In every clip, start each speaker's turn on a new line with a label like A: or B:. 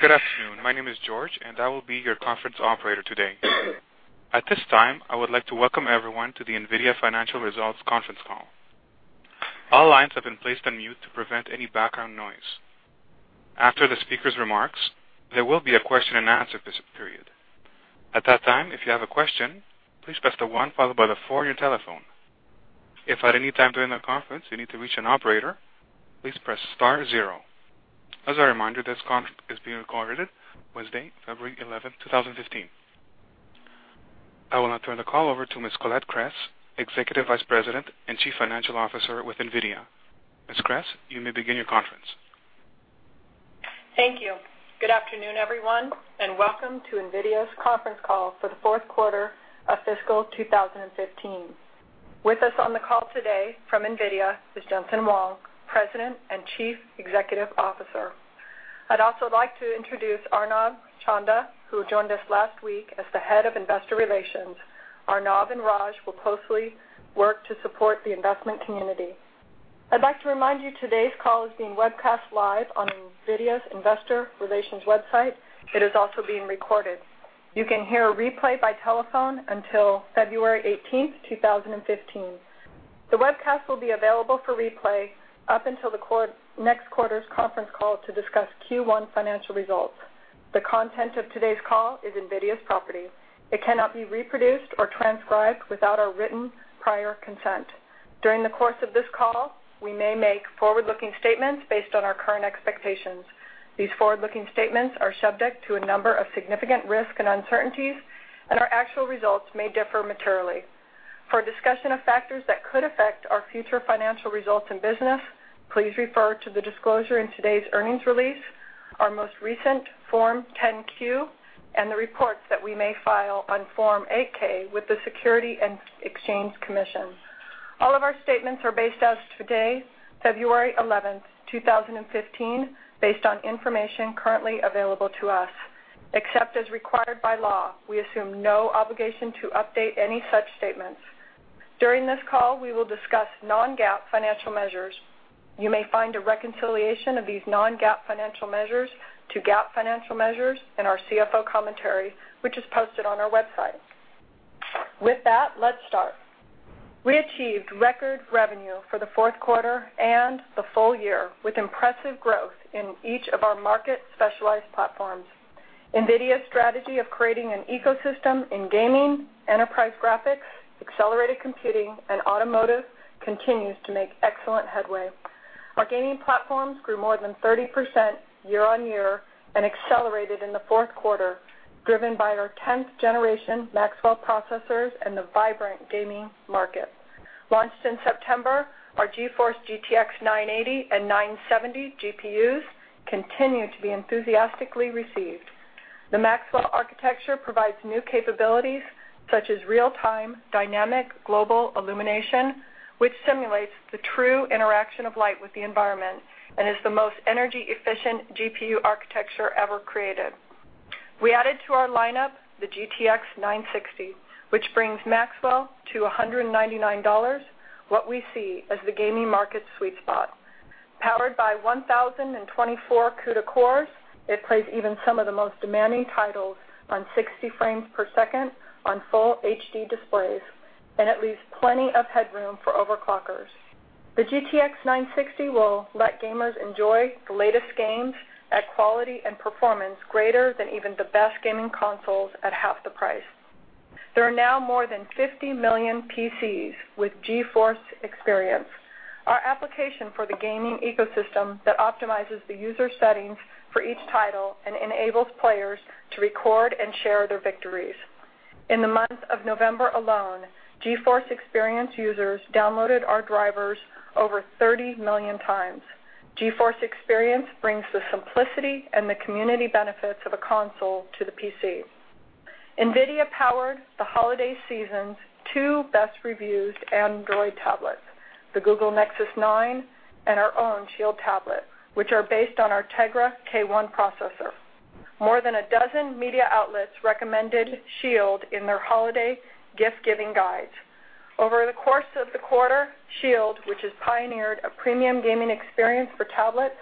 A: Good afternoon. My name is George, and I will be your conference operator today. At this time, I would like to welcome everyone to the NVIDIA Financial Results Conference Call. All lines have been placed on mute to prevent any background noise. After the speaker's remarks, there will be a question-and-answer period. At that time, if you have a question, please press the one followed by the four on your telephone. If at any time during that conference you need to reach an operator, please press star zero. As a reminder, this conference is being recorded Wednesday, February 11, 2015. I will now turn the call over to Ms. Colette Kress, Executive Vice President and Chief Financial Officer with NVIDIA. Ms. Kress, you may begin your conference.
B: Thank you. Good afternoon, everyone, and welcome to NVIDIA's conference call for the fourth quarter of fiscal 2015. With us on the call today from NVIDIA is Jensen Huang, President and Chief Executive Officer. I'd also like to introduce Arnab Chanda, who joined us last week as the Head of Investor Relations. Arnab and Raj will closely work to support the investment community. I'd like to remind you today's call is being webcast live on NVIDIA's investor relations website. It is also being recorded. You can hear a replay by telephone until February 18th, 2015. The webcast will be available for replay up until the next quarter's conference call to discuss Q1 financial results. The content of today's call is NVIDIA's property. It cannot be reproduced or transcribed without our written prior consent. During the course of this call, we may make forward-looking statements based on our current expectations. These forward-looking statements are subject to a number of significant risks and uncertainties, and our actual results may differ materially. For a discussion of factors that could affect our future financial results and business, please refer to the disclosure in today's earnings release, our most recent Form 10-Q, and the reports that we may file on Form 8-K with the Securities and Exchange Commission. All of our statements are based as today, February 11th, 2015, based on information currently available to us. Except as required by law, we assume no obligation to update any such statements. During this call, we will discuss non-GAAP financial measures. You may find a reconciliation of these non-GAAP financial measures to GAAP financial measures in our CFO commentary, which is posted on our website. With that, let's start. We achieved record revenue for the fourth quarter and the full year with impressive growth in each of our market specialized platforms. NVIDIA's strategy of creating an ecosystem in gaming, enterprise graphics, accelerated computing, and automotive continues to make excellent headway. Our gaming platforms grew more than 30% year-on-year and accelerated in the fourth quarter, driven by our 10th generation Maxwell processors and the vibrant gaming market. Launched in September, our GeForce GTX 980 and 970 GPUs continue to be enthusiastically received. The Maxwell architecture provides new capabilities such as real-time dynamic global illumination, which simulates the true interaction of light with the environment and is the most energy-efficient GPU architecture ever created. We added to our lineup the GTX 960, which brings Maxwell to $199, what we see as the gaming market sweet spot. Powered by 1,024 CUDA cores, it plays even some of the most demanding titles on 60 frames per second on full HD displays, and it leaves plenty of headroom for overclockers. The GeForce GTX 960 will let gamers enjoy the latest games at quality and performance greater than even the best gaming consoles at half the price. There are now more than 50 million PCs with GeForce Experience, our application for the gaming ecosystem that optimizes the user settings for each title and enables players to record and share their victories. In the month of November alone, GeForce Experience users downloaded our drivers over 30 million times. GeForce Experience brings the simplicity and the community benefits of a console to the PC. NVIDIA powered the holiday season's two best-reviewed Android tablets, the Google Nexus 9 and our own SHIELD tablet, which are based on our Tegra K1 processor. More than a dozen media outlets recommended SHIELD in their holiday gift-giving guides. Over the course of the quarter, SHIELD, which has pioneered a premium gaming experience for tablets,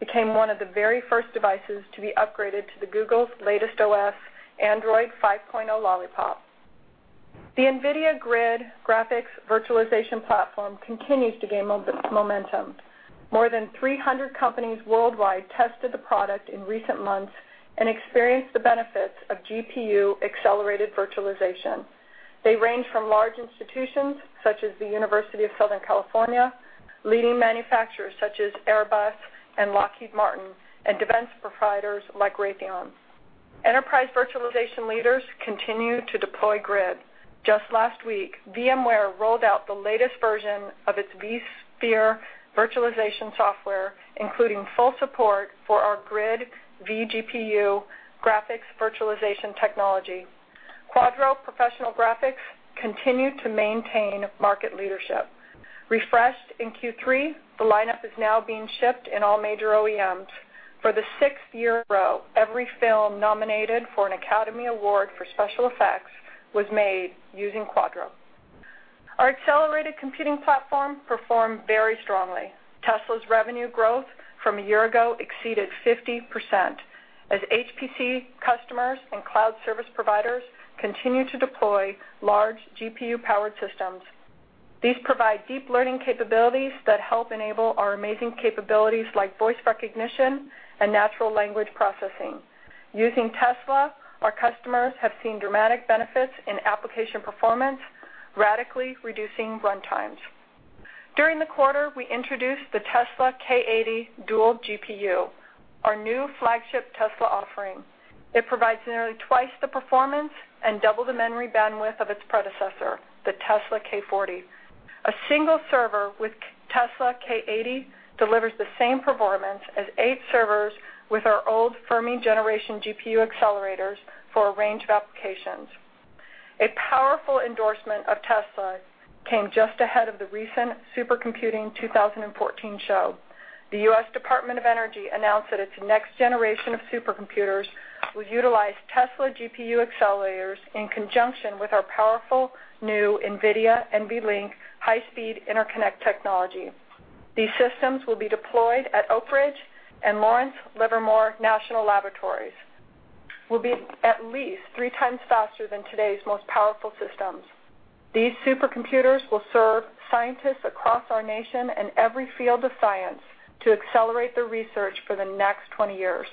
B: became one of the very first devices to be upgraded to the Google's latest OS, Android 5.0 Lollipop. The NVIDIA GRID graphics virtualization platform continues to gain momentum. More than 300 companies worldwide tested the product in recent months and experienced the benefits of GPU-accelerated virtualization. They range from large institutions such as the University of Southern California, leading manufacturers such as Airbus and Lockheed Martin, and defense providers like Raytheon. Enterprise virtualization leaders continue to deploy GRID. Just last week, VMware rolled out the latest version of its vSphere virtualization software, including full support for our GRID vGPU graphics virtualization technology. Quadro professional graphics continue to maintain market leadership. Refreshed in Q3, the lineup is now being shipped in all major OEMs. For the sixth year in a row, every film nominated for an Academy Award for special effects was made using Quadro. Our accelerated computing platform performed very strongly. Tesla's revenue growth from a year ago exceeded 50% as HPC customers and cloud service providers continue to deploy large GPU-powered systems. These provide deep learning capabilities that help enable our amazing capabilities like voice recognition and natural language processing. Using Tesla, our customers have seen dramatic benefits in application performance, radically reducing runtimes. During the quarter, we introduced the Tesla K80 dual GPU, our new flagship Tesla offering. It provides nearly twice the performance and 2x the memory bandwidth of its predecessor, the Tesla K40. A single server with Tesla K80 delivers the same performance as eight servers with our old Fermi generation GPU accelerators for a range of applications. A powerful endorsement of Tesla came just ahead of the recent Supercomputing 2014 show. The U.S. Department of Energy announced that its next generation of supercomputers will utilize Tesla GPU accelerators in conjunction with our powerful new NVIDIA NVLink high-speed interconnect technology. These systems will be deployed at Oak Ridge and Lawrence Livermore National Laboratories, will be at least 3x faster than today's most powerful systems. These supercomputers will serve scientists across our nation in every field of science to accelerate their research for the next 20 years.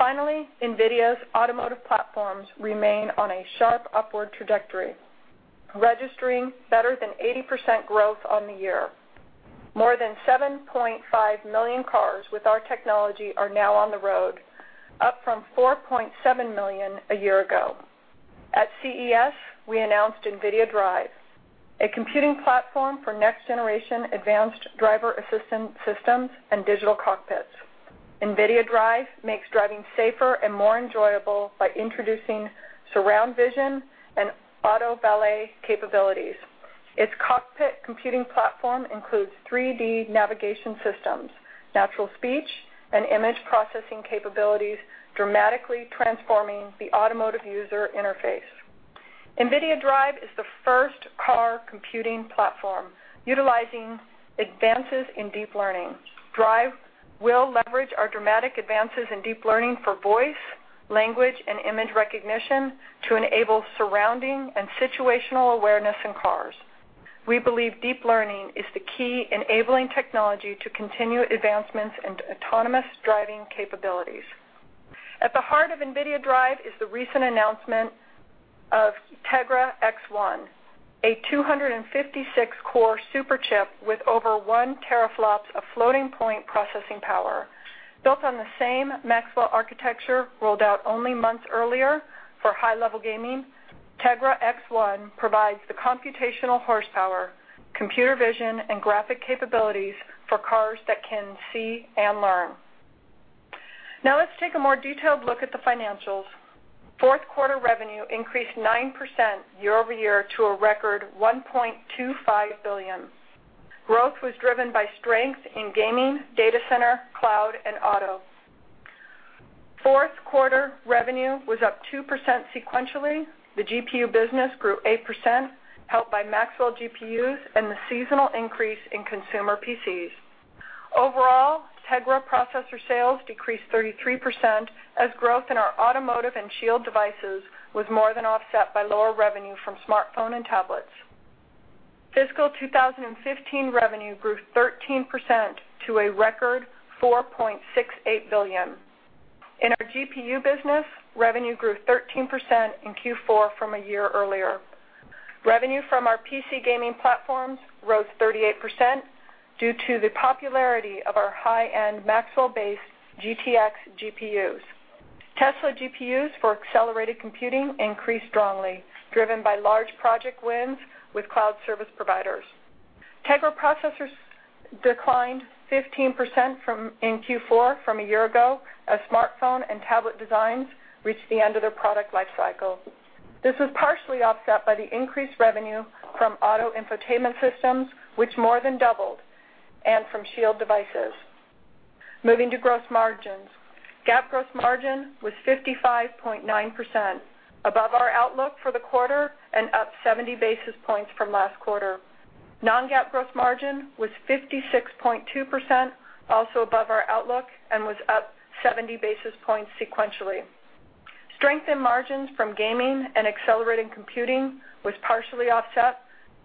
B: Finally, NVIDIA's automotive platforms remain on a sharp upward trajectory, registering better than 80% growth on the year. More than 7.5 million cars with our technology are now on the road, up from 4.7 million a year ago. At CES, we announced NVIDIA DRIVE, a computing platform for next-generation advanced driver assistance systems and digital cockpits. NVIDIA DRIVE makes driving safer and more enjoyable by introducing surround vision and auto valet capabilities. Its cockpit computing platform includes 3D navigation systems, natural speech, and image processing capabilities, dramatically transforming the automotive user interface. NVIDIA DRIVE is the first car computing platform utilizing advances in deep learning. DRIVE will leverage our dramatic advances in deep learning for voice, language, and image recognition to enable surrounding and situational awareness in cars. We believe deep learning is the key enabling technology to continue advancements in autonomous driving capabilities. At the heart of NVIDIA DRIVE is the recent announcement of Tegra X1, a 256-core super chip with over 1 teraflops of floating point processing power. Built on the same Maxwell architecture rolled out only months earlier for high-level gaming, Tegra X1 provides the computational horsepower, computer vision, and graphic capabilities for cars that can see and learn. Let's take a more detailed look at the financials. Fourth quarter revenue increased 9% year-over-year to a record $1.25 billion. Growth was driven by strength in gaming, data center, cloud, and auto. Fourth quarter revenue was up 2% sequentially. The GPU business grew 8%, helped by Maxwell GPUs and the seasonal increase in consumer PCs. Overall, Tegra processor sales decreased 33% as growth in our automotive and SHIELD devices was more than offset by lower revenue from smartphone and tablets. Fiscal 2015 revenue grew 13% to a record $4.68 billion. In our GPU business, revenue grew 13% in Q4 from a year earlier. Revenue from our PC gaming platforms rose 38% due to the popularity of our high-end Maxwell-based GTX GPUs. Tesla GPUs for accelerated computing increased strongly, driven by large project wins with cloud service providers. Tegra processors declined 15% in Q4 from a year ago as smartphone and tablet designs reached the end of their product life cycle. This was partially offset by the increased revenue from auto infotainment systems, which more than doubled, and from SHIELD devices. Moving to gross margins. GAAP gross margin was 55.9%, above our outlook for the quarter and up 70 basis points from last quarter. Non-GAAP gross margin was 56.2%, also above our outlook and was up 70 basis points sequentially. Strength in margins from gaming and accelerated computing was partially offset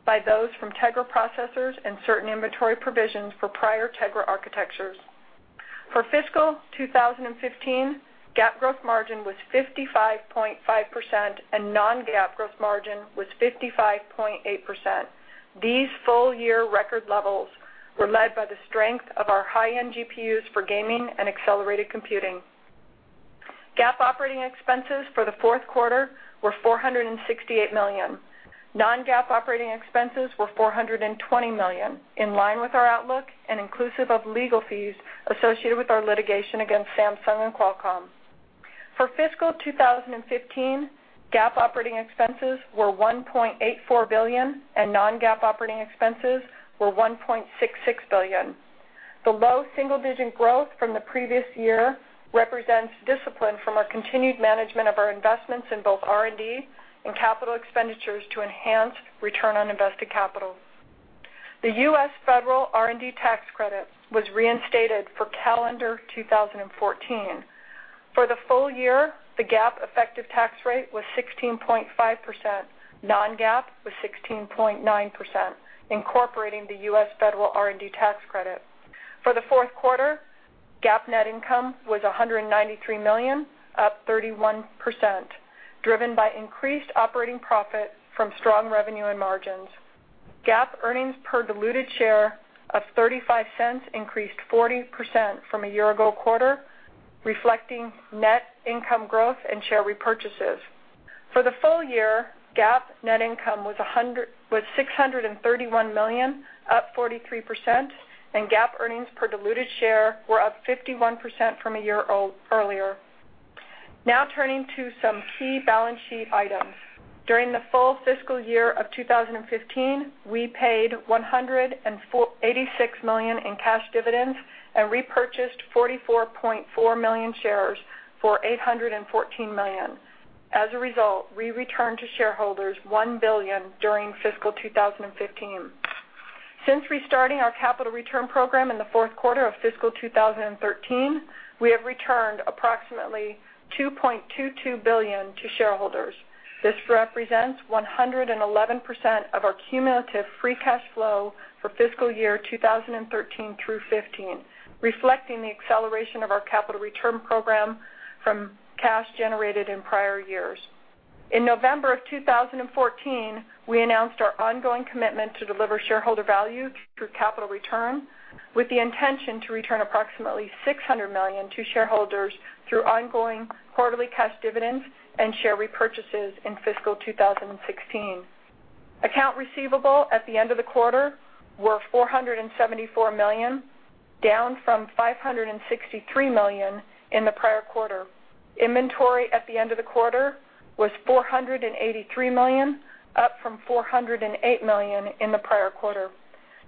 B: by those from Tegra processors and certain inventory provisions for prior Tegra architectures. For fiscal 2015, GAAP gross margin was 55.5%, and non-GAAP gross margin was 55.8%. These full-year record levels were led by the strength of our high-end GPUs for gaming and accelerated computing. GAAP operating expenses for the fourth quarter were $468 million. Non-GAAP operating expenses were $420 million, in line with our outlook and inclusive of legal fees associated with our litigation against Samsung and Qualcomm. For fiscal 2015, GAAP operating expenses were $1.84 billion, and non-GAAP operating expenses were $1.66 billion. The low single-digit growth from the previous year represents discipline from our continued management of our investments in both R&D and capital expenditures to enhance return on invested capital. The U.S. Federal R&D tax credit was reinstated for calendar 2014. For the full year, the GAAP effective tax rate was 16.5%. Non-GAAP was 16.9%, incorporating the U.S. Federal R&D tax credit. For the fourth quarter, GAAP net income was $193 million, up 31%, driven by increased operating profit from strong revenue and margins. GAAP earnings per diluted share of $0.35 increased 40% from a year-ago quarter, reflecting net income growth and share repurchases. For the full year, GAAP net income was $631 million, up 43%, and GAAP earnings per diluted share were up 51% from a year earlier. Turning to some key balance sheet items. During the full fiscal year 2015, we paid $186 million in cash dividends and repurchased 44.4 million shares for $814 million. As a result, we returned to shareholders $1 billion during fiscal 2015. Since restarting our capital return program in the fourth quarter of fiscal 2013, we have returned approximately $2.22 billion to shareholders. This represents 111% of our cumulative free cash flow for fiscal year 2013-2015, reflecting the acceleration of our capital return program from cash generated in prior years. In November 2014, we announced our ongoing commitment to deliver shareholder value through capital return with the intention to return approximately $600 million to shareholders through ongoing quarterly cash dividends and share repurchases in fiscal 2016. Accounts receivable at the end of the quarter were $474 million, down from $563 million in the prior quarter. Inventory at the end of the quarter was $483 million, up from $408 million in the prior quarter.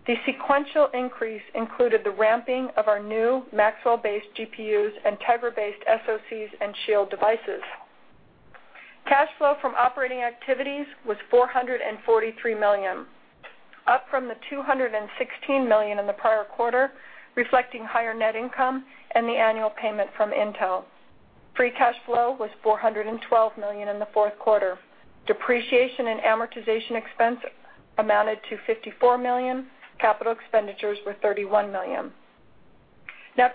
B: The sequential increase included the ramping of our new Maxwell-based GPUs and Tegra-based SoCs and SHIELD devices. Cash flow from operating activities was $443 million, up from the $216 million in the prior quarter, reflecting higher net income and the annual payment from Intel. Free cash flow was $412 million in the fourth quarter. Depreciation and amortization expense amounted to $54 million. Capital expenditures were $31 million.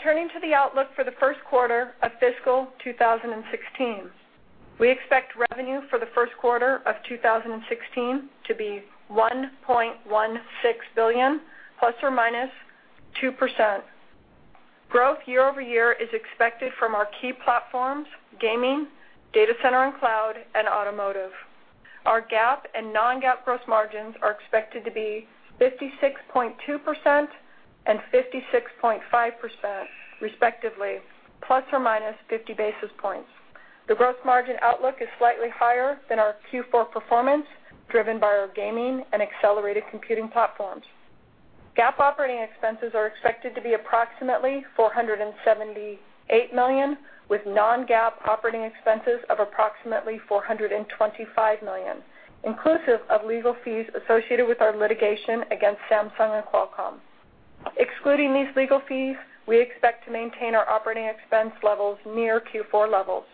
B: Turning to the outlook for the first quarter of fiscal 2016. We expect revenue for the first quarter of 2016 to be $1.16 billion, ±2%. Growth year-over-year is expected from our key platforms, gaming, data center and cloud, and automotive. Our GAAP and non-GAAP gross margins are expected to be 56.2% and 56.5% respectively, ±50 basis points. The gross margin outlook is slightly higher than our Q4 performance, driven by our gaming and accelerated computing platforms. GAAP operating expenses are expected to be approximately $478 million, with non-GAAP operating expenses of approximately $425 million, inclusive of legal fees associated with our litigation against Samsung and Qualcomm. Excluding these legal fees, we expect to maintain our operating expense levels near Q4 levels.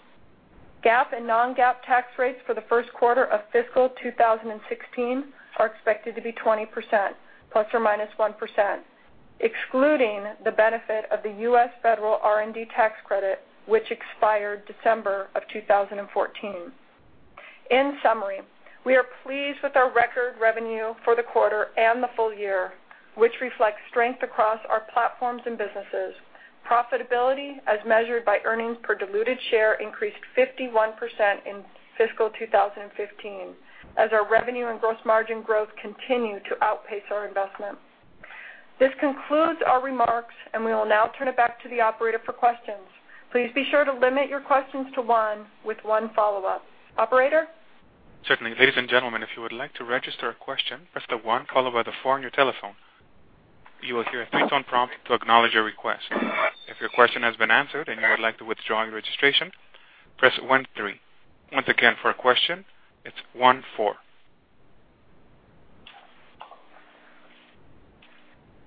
B: GAAP and non-GAAP tax rates for the first quarter of fiscal 2016 are expected to be 20% ±1%, excluding the benefit of the U.S. Federal R&D tax credit, which expired December of 2014. In summary, we are pleased with our record revenue for the quarter and the full year, which reflects strength across our platforms and businesses. Profitability, as measured by earnings per diluted share, increased 51% in fiscal 2015 as our revenue and gross margin growth continue to outpace our investment. This concludes our remarks, and we will now turn it back to the operator for questions. Please be sure to limit your questions to one with one follow-up. Operator?
A: Certainly. Ladies and gentlemen, if you would like to register a question, press the one followed by the four on your telephone. You will hear a three-tone prompt to acknowledge your request. If your question has been answered and you would like to withdraw your registration, press one, three. Once again, for a question, it's one, four.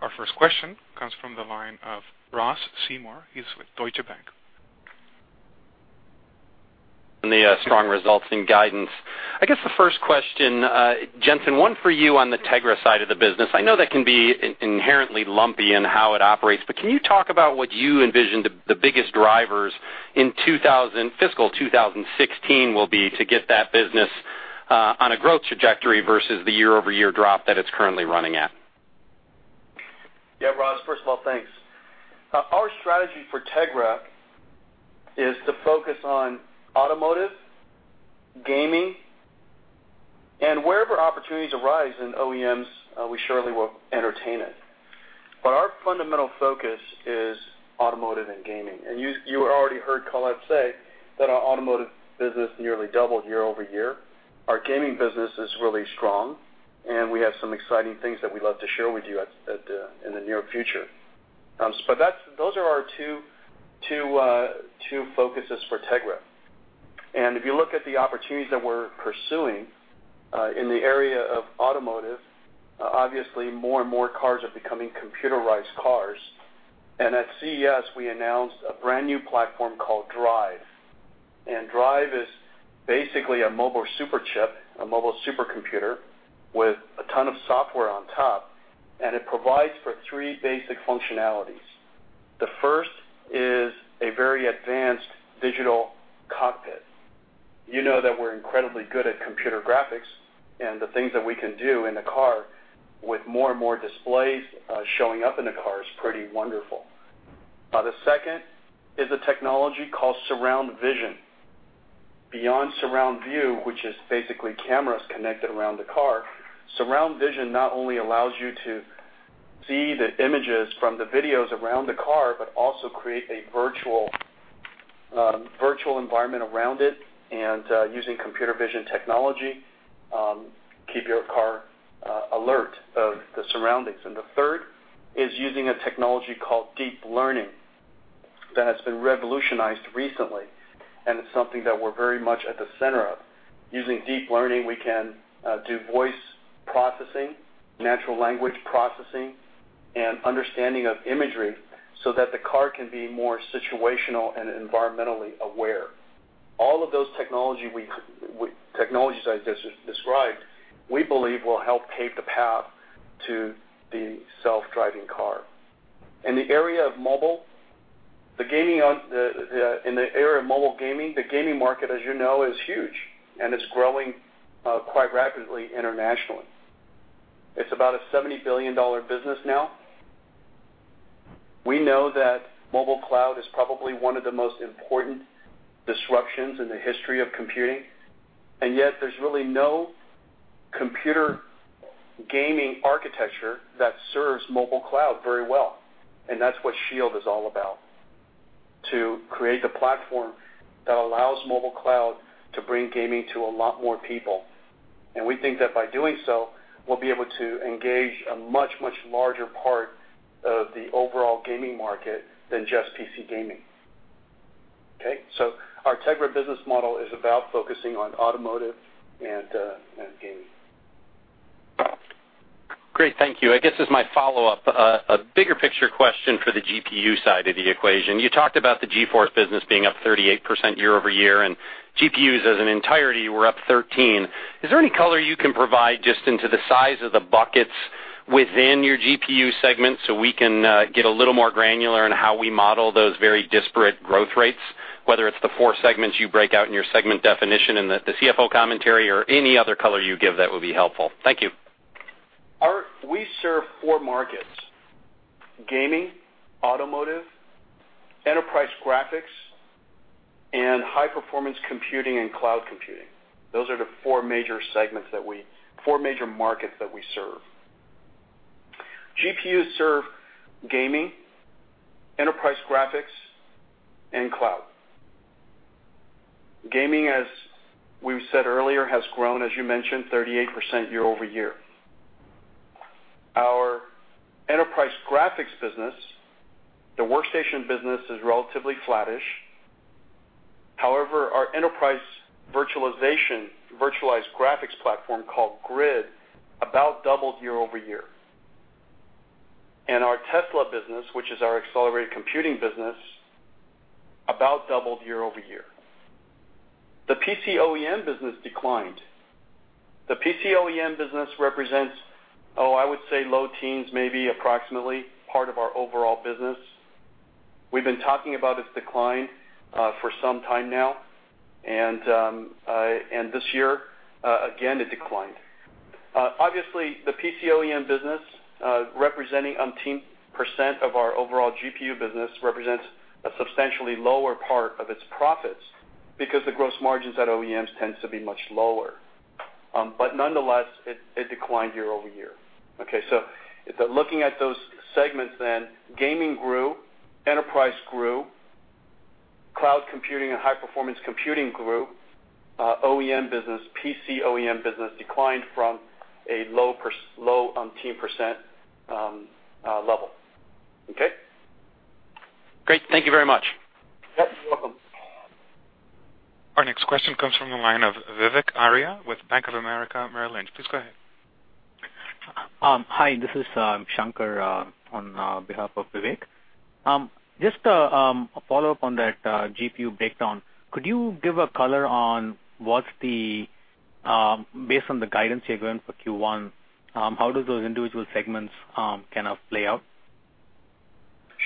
A: Our first question comes from the line of Ross Seymore. He's with Deutsche Bank.
C: On the strong results and guidance. I guess the first question, Jensen, one for you on the Tegra side of the business. I know that can be inherently lumpy in how it operates, but can you talk about what you envision the biggest drivers in fiscal 2016 will be to get that business on a growth trajectory versus the year-over-year drop that it's currently running at?
D: Yeah, Ross, first of all, thanks. Our strategy for Tegra is to focus on automotive, gaming, and wherever opportunities arise in OEMs, we surely will entertain it. Our fundamental focus is automotive and gaming. You already heard Colette say that our automotive business nearly doubled year-over-year. Our gaming business is really strong, and we have some exciting things that we'd love to share with you at in the near future. Those are our two focuses for Tegra. If you look at the opportunities that we're pursuing in the area of automotive, obviously more and more cars are becoming computerized cars. At CES, we announced a brand-new platform called DRIVE. DRIVE is basically a mobile super chip, a mobile supercomputer with a ton of software on top, and it provides for three basic functionalities. The first is a very advanced digital cockpit. You know that we're incredibly good at computer graphics, and the things that we can do in the car with more and more displays showing up in the car is pretty wonderful. The second is a technology called Surround-Vision. Beyond Surround-View, which is basically cameras connected around the car, Surround-Vision not only allows you to see the images from the videos around the car, but also create a virtual environment around it, and using computer vision technology, keep your car alert of the surroundings. The third is using a technology called deep learning that has been revolutionized recently, and it's something that we're very much at the center of. Using deep learning, we can do voice processing, natural language processing, and understanding of imagery so that the car can be more situational and environmentally aware. All of those technologies I described, we believe will help pave the path to the self-driving car. In the area of mobile gaming, the gaming market, as you know, is huge, and it's growing quite rapidly internationally. It's about a $70 billion business now. We know that mobile cloud is probably one of the most important disruptions in the history of computing, and yet there's really no computer gaming architecture that serves mobile cloud very well, and that's what SHIELD is all about, to create the platform that allows mobile cloud to bring gaming to a lot more people. We think that by doing so, we'll be able to engage a much, much larger part of the overall gaming market than just PC gaming. Okay? Our Tegra business model is about focusing on automotive and gaming.
C: Great. Thank you. I guess as my follow-up, a bigger picture question for the GPU side of the equation. You talked about the GeForce business being up 38% year-over-year, and GPUs as an entirety were up 13. Is there any color you can provide just into the size of the buckets within your GPU segment so we can get a little more granular in how we model those very disparate growth rates, whether it's the four segments you break out in your segment definition in the CFO commentary or any other color you give that would be helpful? Thank you.
D: We serve four markets: Gaming, Automotive, Enterprise Graphics, and High-Performance Computing and Cloud Computing. Those are the four major markets that we serve. GPUs serve Gaming, Enterprise Graphics, and Cloud. Gaming, as we've said earlier, has grown, as you mentioned, 38% year-over-year. Our Enterprise Graphics business, the workstation business, is relatively flattish. However, our enterprise virtualization, virtualized graphics platform called GRID, about doubled year-over-year. Our Tesla business, which is our accelerated computing business, about doubled year-over-year. The PC OEM business declined. The PC OEM business represents, I would say low teens, maybe approximately part of our overall business. We've been talking about its decline for some time now, and this year, again, it declined. Obviously, the PC OEM business, representing umpteenth percent of our overall GPU business represents a substantially lower part of its profits because the gross margins at OEMs tends to be much lower. Nonetheless, it declined year-over-year. Okay. If they're looking at those segments then, gaming grew, enterprise grew, cloud computing and high-performance computing grew. OEM business, PC OEM business declined from a low umpteenth percent level. Okay?
C: Great. Thank you very much.
D: Yep. You're welcome.
A: Our next question comes from the line of Vivek Arya with Bank of America Merrill Lynch. Please go ahead.
E: Hi. This is Shankar on behalf of Vivek. Just a follow-up on that GPU breakdown. Could you give a color on what's the, based on the guidance you're giving for Q1, how do those individual segments kind of play out?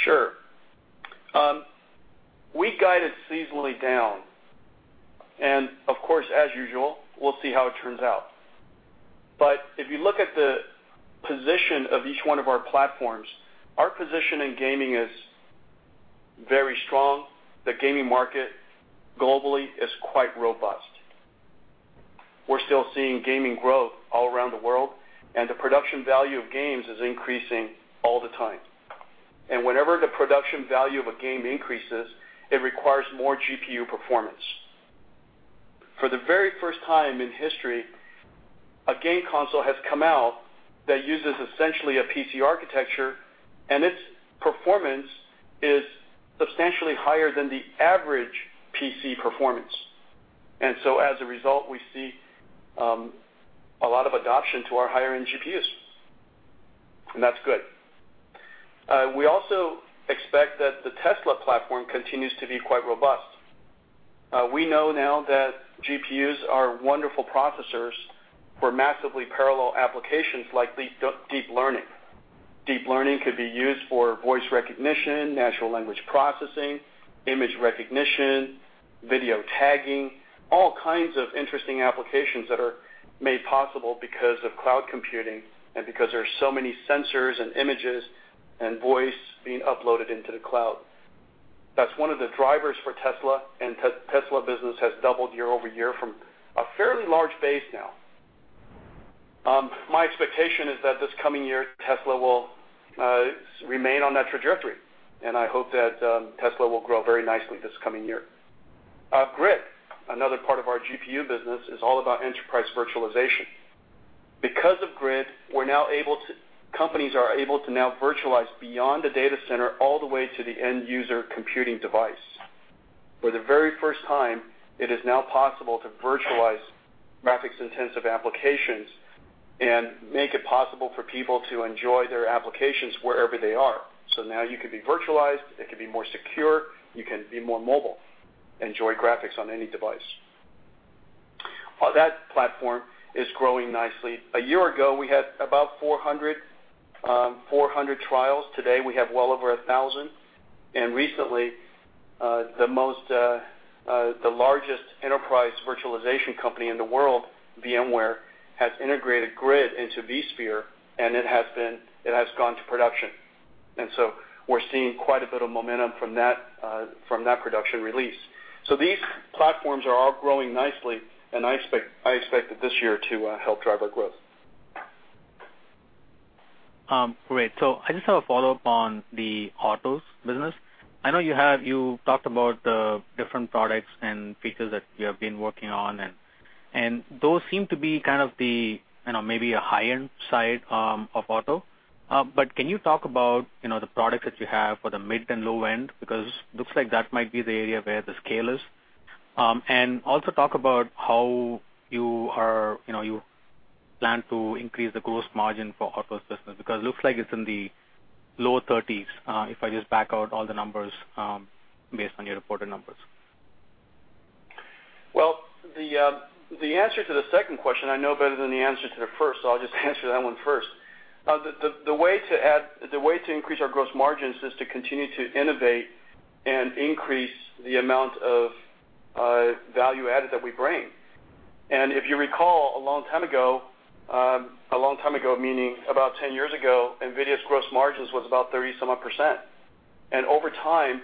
D: Sure. We guided seasonally down, and of course, as usual, we'll see how it turns out. If you look at the position of each one of our platforms, our position in gaming is very strong. The gaming market globally is quite robust. We're still seeing gaming growth all around the world, and the production value of games is increasing all the time. Whenever the production value of a game increases, it requires more GPU performance. For the very first time in history, a game console has come out that uses essentially a PC architecture, and its performance is substantially higher than the average PC performance. As a result, we see a lot of adoption to our higher-end GPUs, and that's good. We also expect that the Tesla platform continues to be quite robust. We know now that GPUs are wonderful processors for massively parallel applications like deep learning. Deep learning could be used for voice recognition, natural language processing, image recognition, video tagging, all kinds of interesting applications that are made possible because of cloud computing, and because there are so many sensors and images and voice being uploaded into the cloud. That's one of the drivers for Tesla, and Tesla business has doubled year-over-year from a fairly large base now. My expectation is that this coming year, Tesla will remain on that trajectory, and I hope that Tesla will grow very nicely this coming year. GRID, another part of our GPU business, is all about enterprise virtualization. Because of GRID, companies are able to now virtualize beyond the data center all the way to the end user computing device. For the very first time, it is now possible to virtualize graphics-intensive applications and make it possible for people to enjoy their applications wherever they are. Now you can be virtualized, it can be more secure, you can be more mobile, enjoy graphics on any device. That platform is growing nicely. A year ago, we had about 400 trials. Today, we have well over 1,000. Recently, the most, the largest enterprise virtualization company in the world, VMware, has integrated GRID into vSphere, and it has gone to production. We're seeing quite a bit of momentum from that from that production release. These platforms are all growing nicely, and I expect it this year to help drive our growth.
E: Great. I just have a follow-up on the autos business. I know you talked about the different products and features that you have been working on, and those seem to be kind of the, you know, maybe a high-end side of auto. Can you talk about, you know, the products that you have for the mid and low end? Looks like that might be the area where the scale is. Also talk about how you are, you know, you plan to increase the gross margin for autos business, because it looks like it's in the low-30s, if I just back out all the numbers, based on your reported numbers.
D: Well, the answer to the second question I know better than the answer to the first, so I'll just answer that one first. The way to increase our gross margins is to continue to innovate and increase the amount of value added that we bring. If you recall, a long time ago, meaning about 10 years ago, NVIDIA's gross margins was about 30 some odd percent. Over time,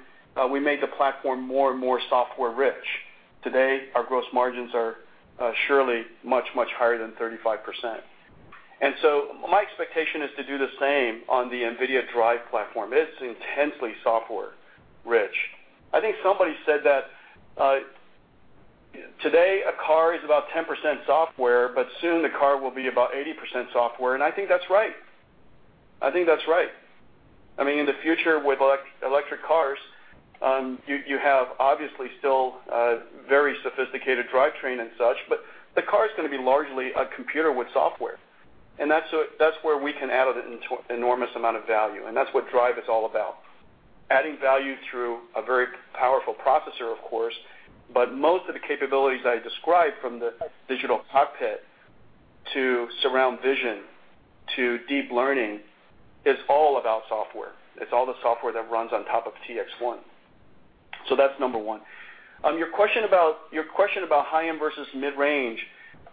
D: we made the platform more and more software rich. Today, our gross margins are surely much, much higher than 35%. My expectation is to do the same on the NVIDIA DRIVE platform. It's intensely software rich. I think somebody said that today a car is about 10% software, but soon the car will be about 80% software, and I think that's right. I think that's right. I mean, in the future with electric cars, you have obviously still a very sophisticated drivetrain and such, but the car is gonna be largely a computer with software. That's where we can add an enormous amount of value, and that's what DRIVE is all about, adding value through a very powerful processor, of course. Most of the capabilities I described from the digital cockpit to surround vision to deep learning is all about software. It's all the software that runs on top of TX1. That's number one. Your question about high-end versus mid-range,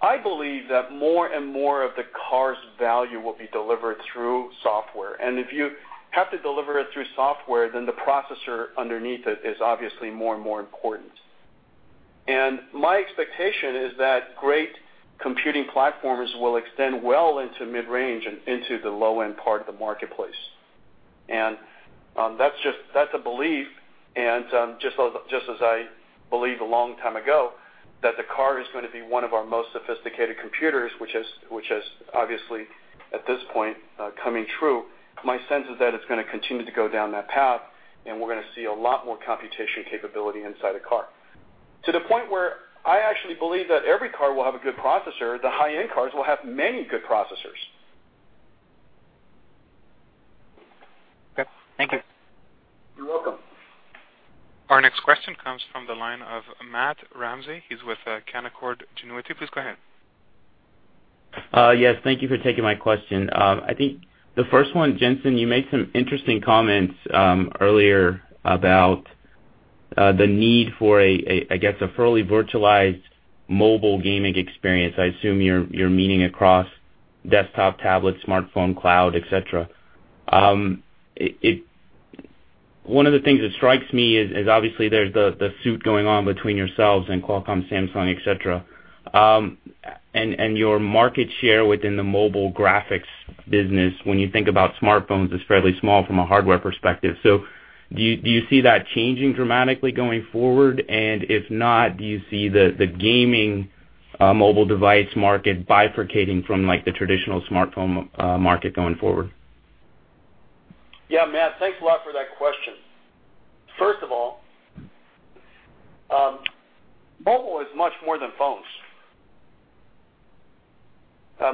D: I believe that more and more of the car's value will be delivered through software. If you have to deliver it through software, then the processor underneath it is obviously more and more important. My expectation is that great computing platforms will extend well into mid-range and into the low-end part of the marketplace. That's a belief, and just as I believed a long time ago that the car is gonna be one of our most sophisticated computers, which is, which is obviously, at this point, coming true. My sense is that it's gonna continue to go down that path, and we're gonna see a lot more computation capability inside a car, to the point where I actually believe that every car will have a good processor. The high-end cars will have many good processors.
E: Okay. Thank you.
D: You're welcome.
A: Our next question comes from the line of Matt Ramsay. He's with Canaccord Genuity. Please go ahead.
F: Yes, thank you for taking my question. I think the first one, Jensen, you made some interesting comments earlier about the need for a, I guess, a fully virtualized mobile gaming experience, I assume you're meaning across desktop, tablet, smartphone, cloud, et cetera. One of the things that strikes me is obviously there's the suit going on between yourselves and Qualcomm, Samsung, et cetera. Your market share within the mobile graphics business when you think about smartphones is fairly small from a hardware perspective. Do you see that changing dramatically going forward? If not, do you see the gaming mobile device market bifurcating from, like, the traditional smartphone market going forward?
D: Matt, thanks a lot for that question. First of all, mobile is much more than phones.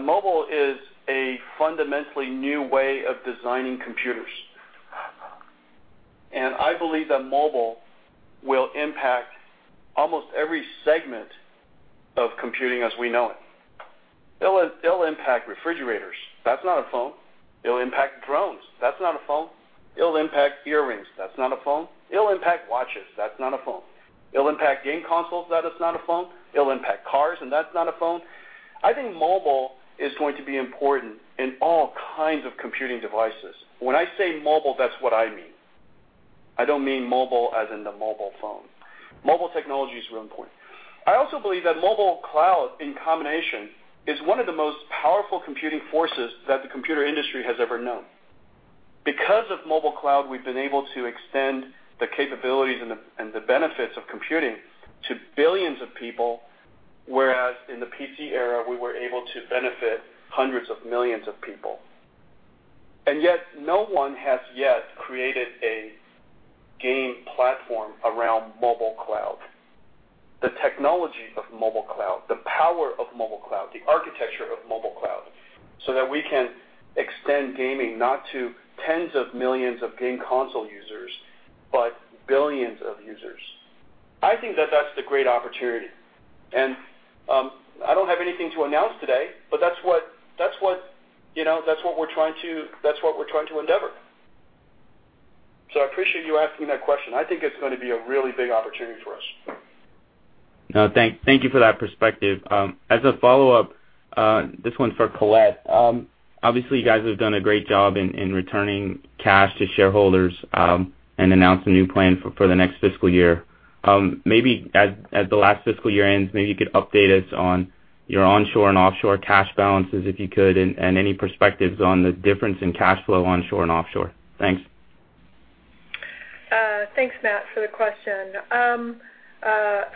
D: Mobile is a fundamentally new way of designing computers. I believe that mobile will impact almost every segment of computing as we know it. It'll impact refrigerators. That's not a phone. It'll impact drones. That's not a phone. It'll impact earrings. That's not a phone. It'll impact watches. That's not a phone. It'll impact game consoles. That is not a phone. It'll impact cars, and that's not a phone. I think mobile is going to be important in all kinds of computing devices. When I say mobile, that's what I mean. I don't mean mobile as in the mobile phone. Mobile technology is really important. I also believe that mobile cloud in combination is one of the most powerful computing forces that the computer industry has ever known. Because of mobile cloud, we've been able to extend the capabilities and the benefits of computing to billions of people, whereas in the PC era, we were able to benefit hundreds of millions of people. Yet, no one has yet created a game platform around mobile cloud, the technology of mobile cloud, the power of mobile cloud, the architecture of mobile cloud, so that we can extend gaming not to tens of millions of game console users, but billions of users. I think that that's the great opportunity. I don't have anything to announce today, but that's what, you know, that's what we're trying to endeavor. I appreciate you asking that question. I think it's gonna be a really big opportunity for us.
F: No, thank you for that perspective. As a follow-up, this one's for Colette. Obviously, you guys have done a great job in returning cash to shareholders and announced a new plan for the next fiscal year. Maybe as the last fiscal year ends, maybe you could update us on your onshore and offshore cash balances, if you could, and any perspectives on the difference in cash flow onshore and offshore. Thanks.
B: Thanks, Matt, for the question.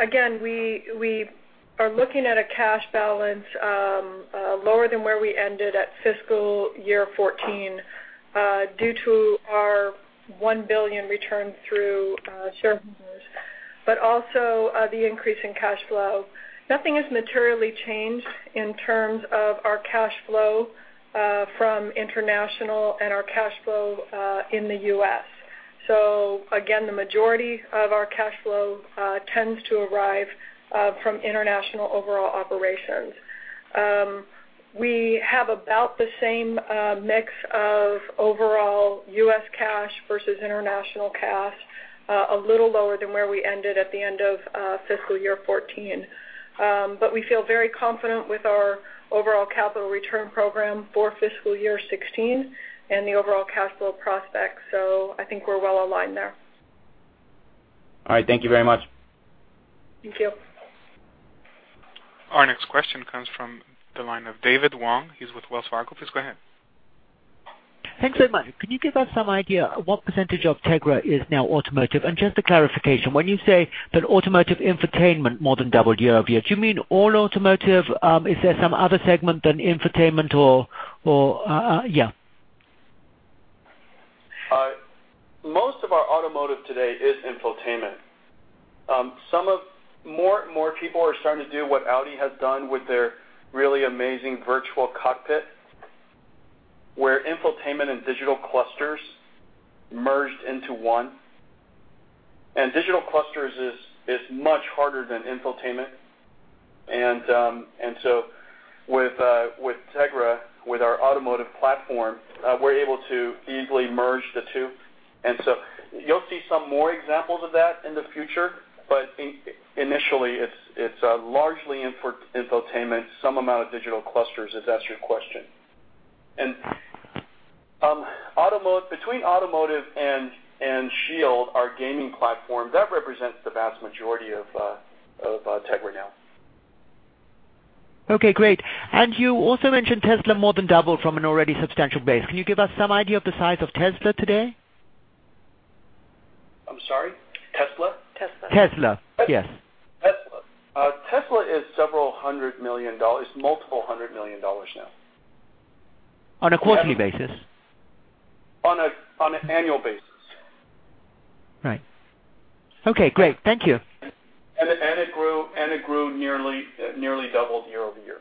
B: Again, we are looking at a cash balance lower than where we ended at fiscal year 2014 due to our $1 billion return through shareholders, also the increase in cash flow. Nothing has materially changed in terms of our cash flow from international and our cash flow in the U.S. Again, the majority of our cash flow tends to arrive from international overall operations. We have about the same mix of overall U.S. cash versus international cash, a little lower than where we ended at the end of fiscal year 2014. We feel very confident with our overall capital return program for fiscal year 2016 and the overall cash flow prospects. I think we're well aligned there.
F: All right. Thank you very much.
B: Thank you.
A: Our next question comes from the line of David Wong. He's with Wells Fargo. Please go ahead.
G: Thanks so much. Can you give us some idea what percentage of Tegra is now automotive? Just a clarification, when you say that automotive infotainment more than doubled year-over-year, do you mean all automotive? Is there some other segment than infotainment or... Yeah.
D: Most of our automotive today is infotainment. More and more people are starting to do what Audi has done with their really amazing virtual cockpit, where infotainment and digital clusters merged into one. Digital clusters is much harder than infotainment. With Tegra, with our automotive platform, we're able to easily merge the two. You'll see some more examples of that in the future, but initially, it's largely infotainment, some amount of digital clusters, if that's your question. Between automotive and SHIELD, our gaming platform, that represents the vast majority of Tegra now.
G: Okay, great. You also mentioned Tesla more than doubled from an already substantial base. Can you give us some idea of the size of Tesla today?
D: I'm sorry. Tesla?
B: Tesla.
G: Tesla, yes.
D: Tesla. Tesla is several hundred million dollars, multiple hundred million dollars now.
G: On a quarterly basis?
D: On an annual basis.
G: Right. Okay, great. Thank you.
D: It grew nearly double year-over-year.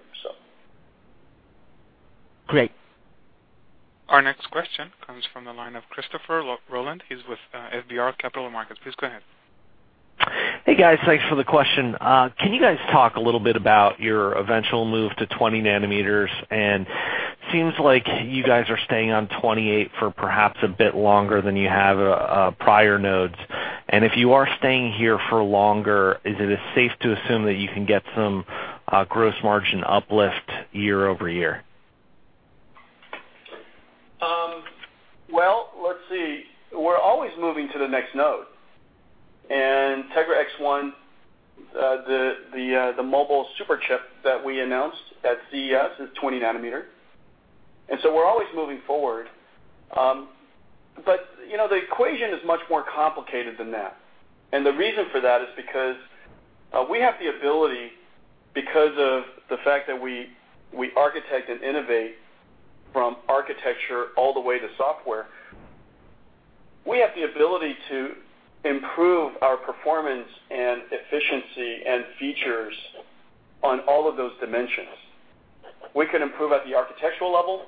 G: Great.
A: Our next question comes from the line of Christopher Rolland. He's with FBR Capital Markets. Please go ahead.
H: Hey guys, thanks for the question. Can you guys talk a little bit about your eventual move to 20 nanometers? Seems like you guys are staying on 28 for perhaps a bit longer than you have prior nodes. If you are staying here for longer, is it as safe to assume that you can get some gross margin uplift year-over-year?
D: Well, let's see. We're always moving to the next node. Tegra X1, the mobile super chip that we announced at CES is 20 nanometer. So we're always moving forward. But, you know, the equation is much more complicated than that. The reason for that is because we have the ability because of the fact that we architect and innovate from architecture all the way to software. We have the ability to improve our performance and efficiency and features on all of those dimensions. We can improve at the architectural level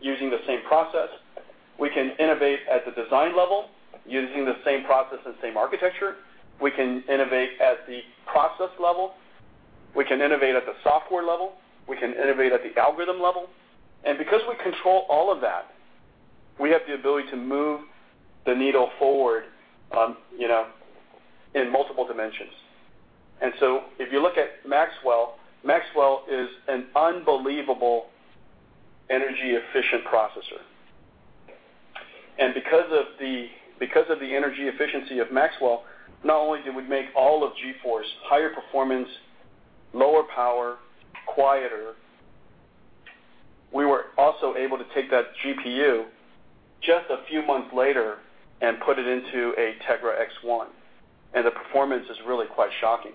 D: using the same process. We can innovate at the design level using the same process and same architecture. We can innovate at the process level. We can innovate at the software level. We can innovate at the algorithm level. Because we control all of that, we have the ability to move the needle forward, you know, in multiple dimensions. If you look at Maxwell is an unbelievable energy efficient processor. Because of the energy efficiency of Maxwell, not only did we make all of GeForce higher performance, lower power, quieter, we were also able to take that GPU just a few months later and put it into a Tegra X1, and the performance is really quite shocking.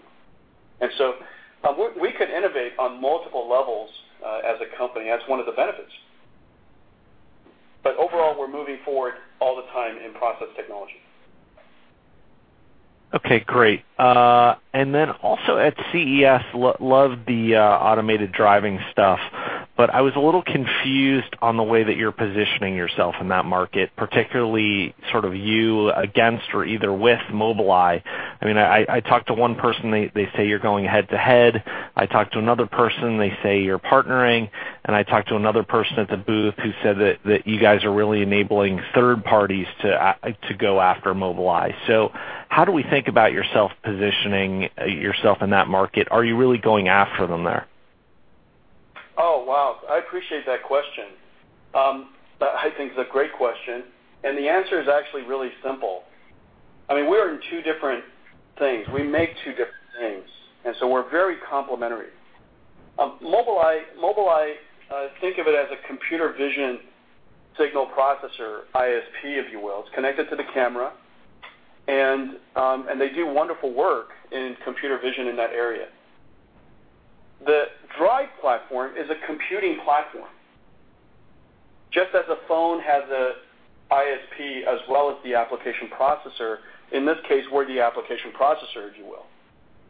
D: We could innovate on multiple levels as a company, that's one of the benefits. Overall, we're moving forward all the time in process technology.
H: Okay, great. Then also at CES, loved the automated driving stuff, but I was a little confused on the way that you're positioning yourself in that market, particularly sort of you against or either with Mobileye. I mean, I talked to one person, they say you're going head to head. I talked to another person, they say you're partnering. I talked to another person at the booth who said that you guys are really enabling third parties to go after Mobileye. How do we think about yourself positioning yourself in that market? Are you really going after them there?
D: Oh, wow, I appreciate that question. I think it's a great question, and the answer is actually really simple. I mean, we're in two different things. We make two different things, and so we're very complementary. Mobileye, think of it as a computer vision signal processor, ISP, if you will. It's connected to the camera. They do wonderful work in computer vision in that area. The DRIVE platform is a computing platform. Just as a phone has a ISP as well as the application processor, in this case, we're the application processor, if you will.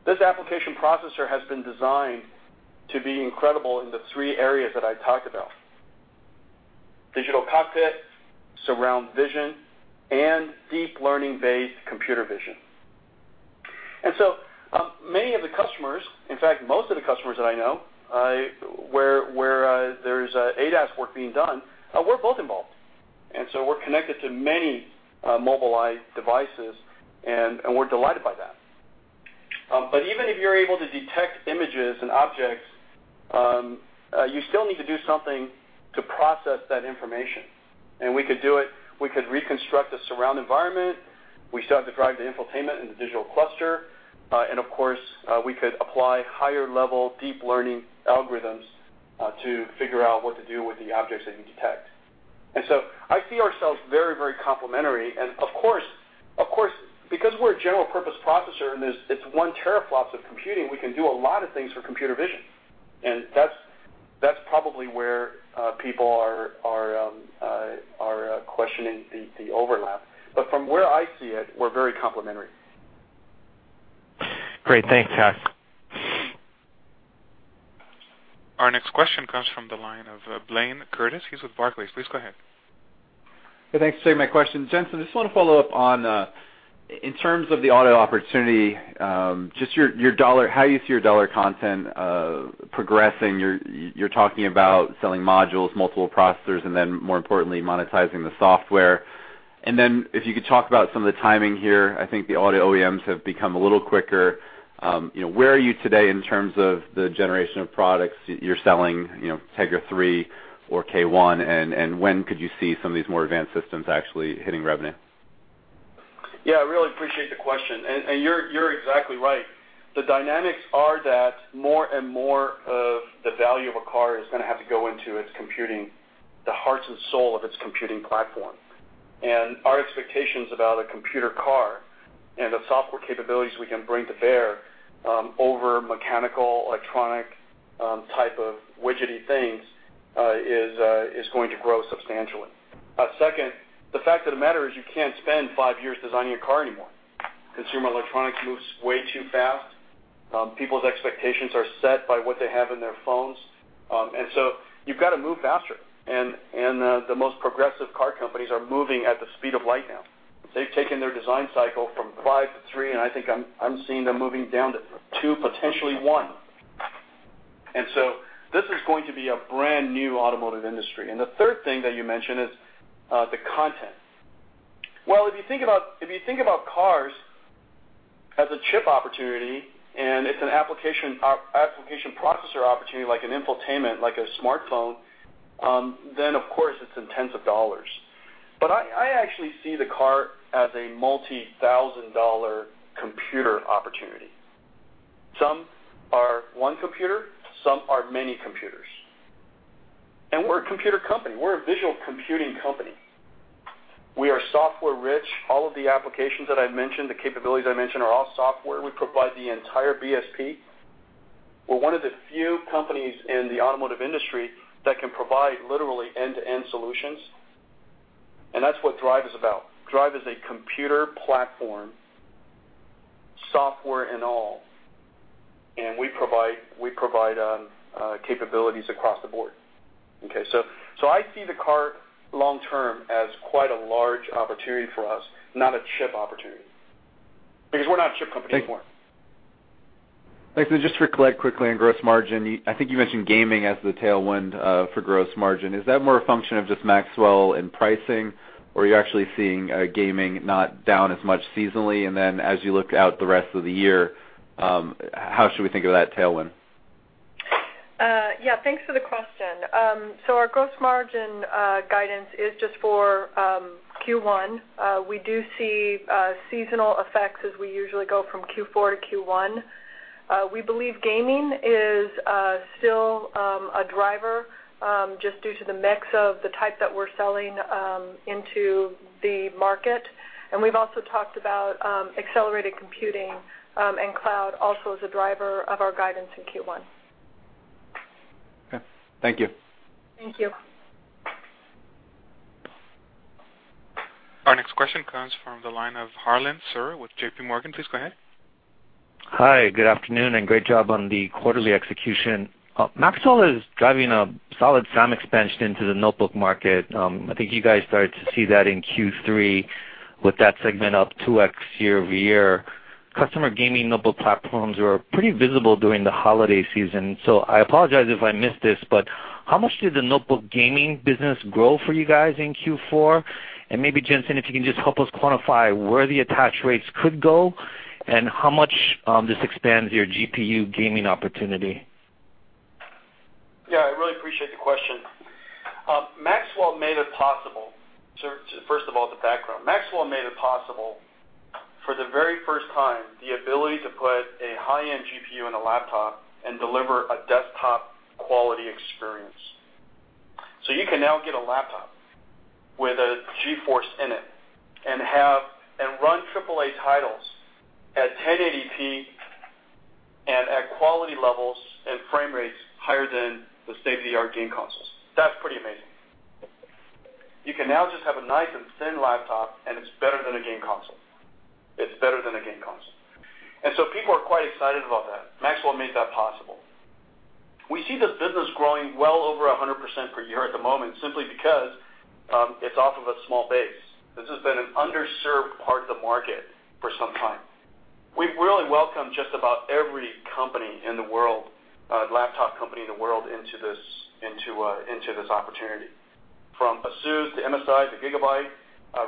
D: This application processor has been designed to be incredible in the three areas that I talked about. Digital cockpit, surround vision, and deep learning-based computer vision. Many of the customers, in fact, most of the customers that I know, where there's ADAS work being done, we're both involved, and we're connected to many Mobileye devices, and we're delighted by that. Even if you're able to detect images and objects, you still need to do something to process that information. We could do it. We could reconstruct the surround environment. We still have to drive the infotainment in the digital cluster. Of course, we could apply higher level deep learning algorithms to figure out what to do with the objects that you detect. I see ourselves very, very complementary. Of course, because we're a general purpose processor it's 1 teraflops of computing, we can do a lot of things for computer vision. That's probably where people are questioning the overlap. From where I see it, we're very complementary.
H: Great. Thanks, Jen.
A: Our next question comes from the line of Blayne Curtis. He's with Barclays. Please go ahead.
I: Yeah, thanks for taking my question. Jensen, I just want to follow up on in terms of the auto opportunity, just your dollar, how you see your dollar content progressing. You're talking about selling modules, multiple processors, and then more importantly, monetizing the software. If you could talk about some of the timing here. I think the auto OEMs have become a little quicker. You know, where are you today in terms of the generation of products you're selling, you know, Tegra 3 or K1, and when could you see some of these more advanced systems actually hitting revenue?
D: Yeah, I really appreciate the question. You're exactly right. The dynamics are that more and more of the value of a car is gonna have to go into its computing, the hearts and soul of its computing platform. Our expectations about a computer car and the software capabilities we can bring to bear over mechanical, electronic, type of widgety things is going to grow substantially. Second, the fact of the matter is you can't spend five years designing a car anymore. Consumer electronics moves way too fast. People's expectations are set by what they have in their phones. You've gotta move faster, and the most progressive car companies are moving at the speed of light now. They've taken their design cycle from five to three, and I think I'm seeing them moving down to two, potentially one. This is going to be a brand-new automotive industry. The third thing that you mentioned is the content. Well, if you think about cars as a chip opportunity, and it's an application or application processor opportunity like an infotainment, like a smartphone, then of course it's in tens of dollars. I actually see the car as a multi-thousand dollar computer opportunity. Some are one computer, some are many computers. We're a computer company. We're a visual computing company. We are software rich. All of the applications that I've mentioned, the capabilities I mentioned are all software. We provide the entire BSP. We're one of the few companies in the automotive industry that can provide literally end-to-end solutions, and that's what DRIVE is about. DRIVE is a computer platform, software and all, and we provide capabilities across the board. Okay. I see the car long term as quite a large opportunity for us, not a chip opportunity because we're not a chip company anymore.
I: Thanks. Just for Colette quickly on gross margin, I think you mentioned gaming as the tailwind for gross margin. Is that more a function of just Maxwell and pricing, or are you actually seeing gaming not down as much seasonally? As you look out the rest of the year, how should we think of that tailwind?
B: Yeah, thanks for the question. Our gross margin guidance is just for Q1. We do see seasonal effects as we usually go from Q4 to Q1. We believe gaming is still a driver just due to the mix of the type that we're selling into the market. We've also talked about accelerated computing and cloud also as a driver of our guidance in Q1.
I: Okay. Thank you.
B: Thank you.
A: Our next question comes from the line of Harlan Sur with JPMorgan. Please go ahead.
J: Hi, good afternoon, and great job on the quarterly execution. Maxwell is driving a solid SAM expansion into the notebook market. I think you guys started to see that in Q3 with that segment up 2x year-over-year. Customer gaming notebook platforms were pretty visible during the holiday season. I apologize if I missed this, but how much did the notebook gaming business grow for you guys in Q4? Maybe, Jensen, if you can just help us quantify where the attach rates could go and how much this expands your GPU gaming opportunity.
D: Yeah, I really appreciate the question. Maxwell made it possible. First of all, the background. Maxwell made it possible for the very first time, the ability to put a high-end GPU in a laptop and deliver a desktop quality experience. You can now get a laptop with a GeForce in it and have and run AAA titles at 1080p and at quality levels and frame rates higher than the state-of-the-art game consoles. That's pretty amazing. You can now just have a nice and thin laptop, and it's better than a game console. It's better than a game console. People are quite excited about that. Maxwell made that possible. We see the business growing well over 100% per year at the moment simply because it's off of a small base. This has been an underserved part of the market for some time. We've really welcomed just about every company in the world, laptop company in the world into this opportunity, from ASUS to MSI to GIGABYTE.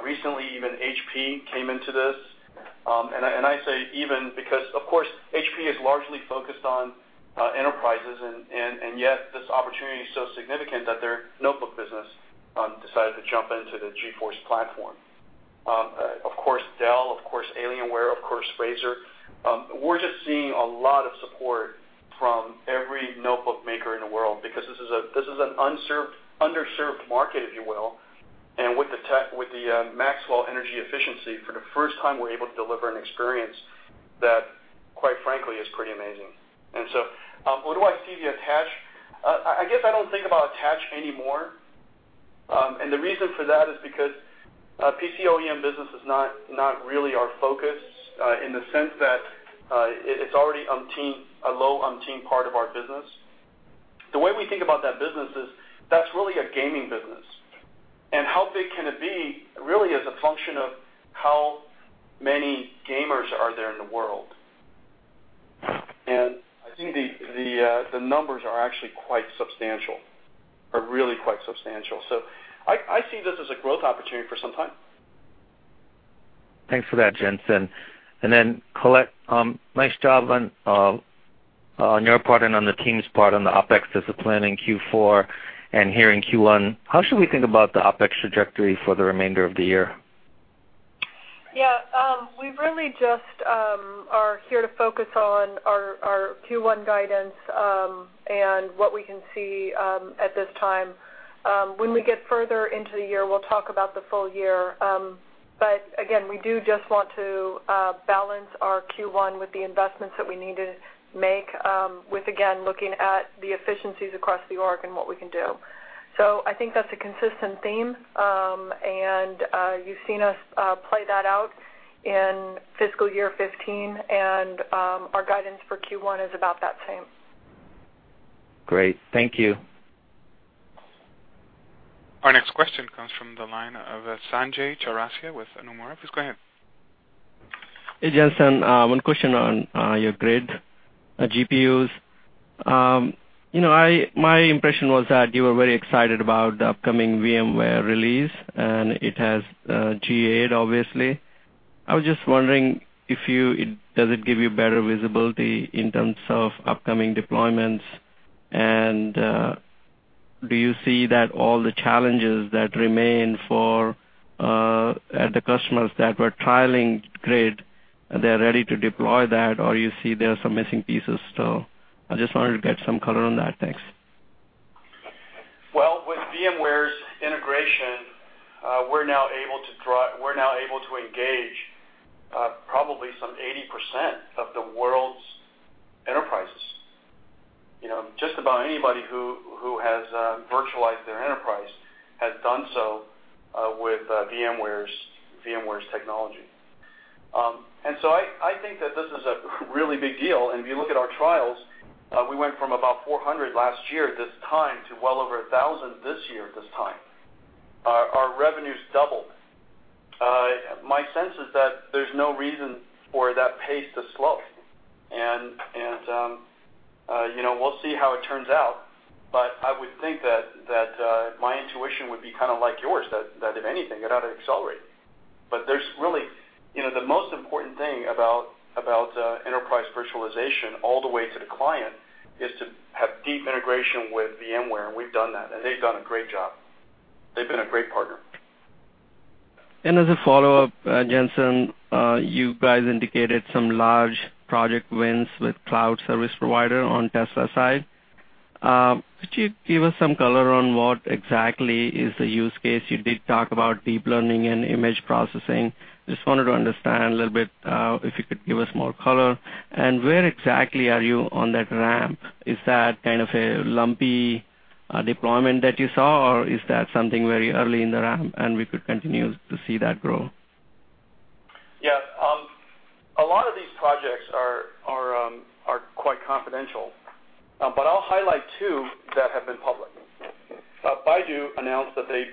D: Recently, even HP came into this. I say even because, of course, HP is largely focused on enterprises and yet this opportunity is so significant that their notebook business decided to jump into the GeForce platform. Of course, Dell, of course Alienware, of course Razer, we're just seeing a lot of support from every notebook maker in the world because this is an unserved, underserved market, if you will. With the Maxwell energy efficiency, for the first time, we're able to deliver an experience that, quite frankly, is pretty amazing. What do I see the attach? I guess I don't think about attach anymore. The reason for that is because PC OEM business is not really our focus, in the sense that it's already umpteenth, a low umpteenth part of our business. The way we think about that business is that's really a gaming business. How big can it be really is a function of how many gamers are there in the world. I think the numbers are actually quite substantial, are really quite substantial. I see this as a growth opportunity for some time.
J: Thanks for that, Jensen. Colette, nice job on your part and on the team's part on the OpEx discipline in Q4 and here in Q1. How should we think about the OpEx trajectory for the remainder of the year?
B: Yeah. We really just are here to focus on our Q1 guidance and what we can see at this time. When we get further into the year, we'll talk about the full year. Again, we do just want to balance our Q1 with the investments that we need to make with again, looking at the efficiencies across the org and what we can do. I think that's a consistent theme. You've seen us play that out in fiscal year 2015, and our guidance for Q1 is about that same.
J: Great. Thank you.
A: Our next question comes from the line of Sanjay Chaurasia with Nomura. Please go ahead.
K: Hey, Jensen. One question on your GRID GPUs. You know, my impression was that you were very excited about the upcoming VMware release, it has GA'd obviously. I was just wondering does it give you better visibility in terms of upcoming deployments, do you see that all the challenges that remain for the customers that were trialing GRID, they're ready to deploy that or you see there are some missing pieces still? I just wanted to get some color on that. Thanks.
D: Well, with VMware's integration, we're now able to engage probably some 80% of the world's enterprises. You know, just about anybody who has virtualized their enterprise has done so with VMware's technology. I think that this is a really big deal, and if you look at our trials, we went from about 400 last year this time to well over 1,000 this year at this time. Our revenues doubled. My sense is that there's no reason for that pace to slow. You know, we'll see how it turns out, but I would think that my intuition would be kinda like yours, that if anything, it ought to accelerate. There's really You know, the most important thing about enterprise virtualization all the way to the client is to have deep integration with VMware, and we've done that, and they've done a great job. They've been a great partner.
K: As a follow-up, Jensen, you guys indicated some large project wins with cloud service provider on Tesla side. Could you give us some color on what exactly is the use case? You did talk about deep learning and image processing. Just wanted to understand a little bit, if you could give us more color. Where exactly are you on that ramp? Is that kind of a lumpy deployment that you saw or is that something very early in the ramp and we could continue to see that grow?
D: A lot of these projects are quite confidential, but I'll highlight two that have been public. Baidu announced that they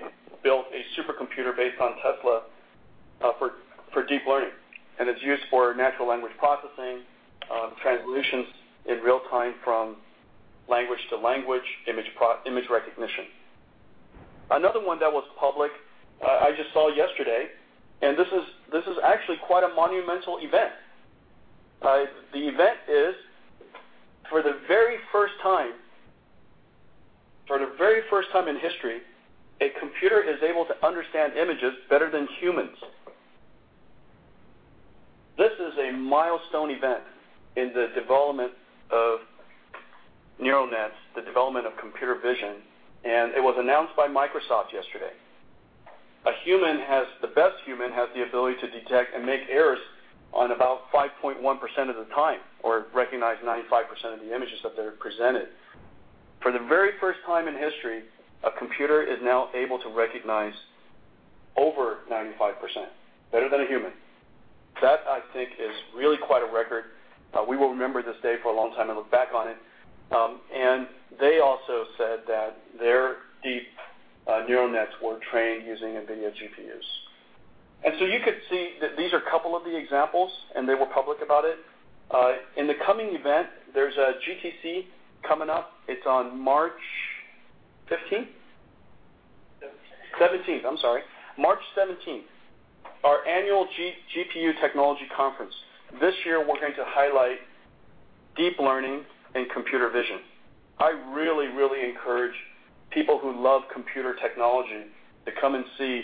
D: built a supercomputer based on Tesla for deep learning, and it's used for natural language processing, translations in real time from language to language, image recognition. Another one that was public, I just saw yesterday, this is actually quite a monumental event. The event is, for the very first time in history, a computer is able to understand images better than humans. This is a milestone event in the development of neural nets, the development of computer vision, and it was announced by Microsoft yesterday. The best human has the ability to detect and make errors on about 5.1% of the time or recognize 95% of the images that they're presented. For the very first time in history, a computer is now able to recognize over 95%, better than a human. That, I think, is really quite a record. We will remember this day for a long time and look back on it. They also said that their deep neural nets were trained using NVIDIA GPUs. You could see that these are a couple of the examples, and they were public about it. In the coming event, there's a GTC coming up. It's on March 15th?
L: 17th.
D: 17th. I'm sorry. March 17th, our annual GPU Technology Conference. This year, we're going to highlight deep learning and computer vision. I really encourage people who love computer technology to come and see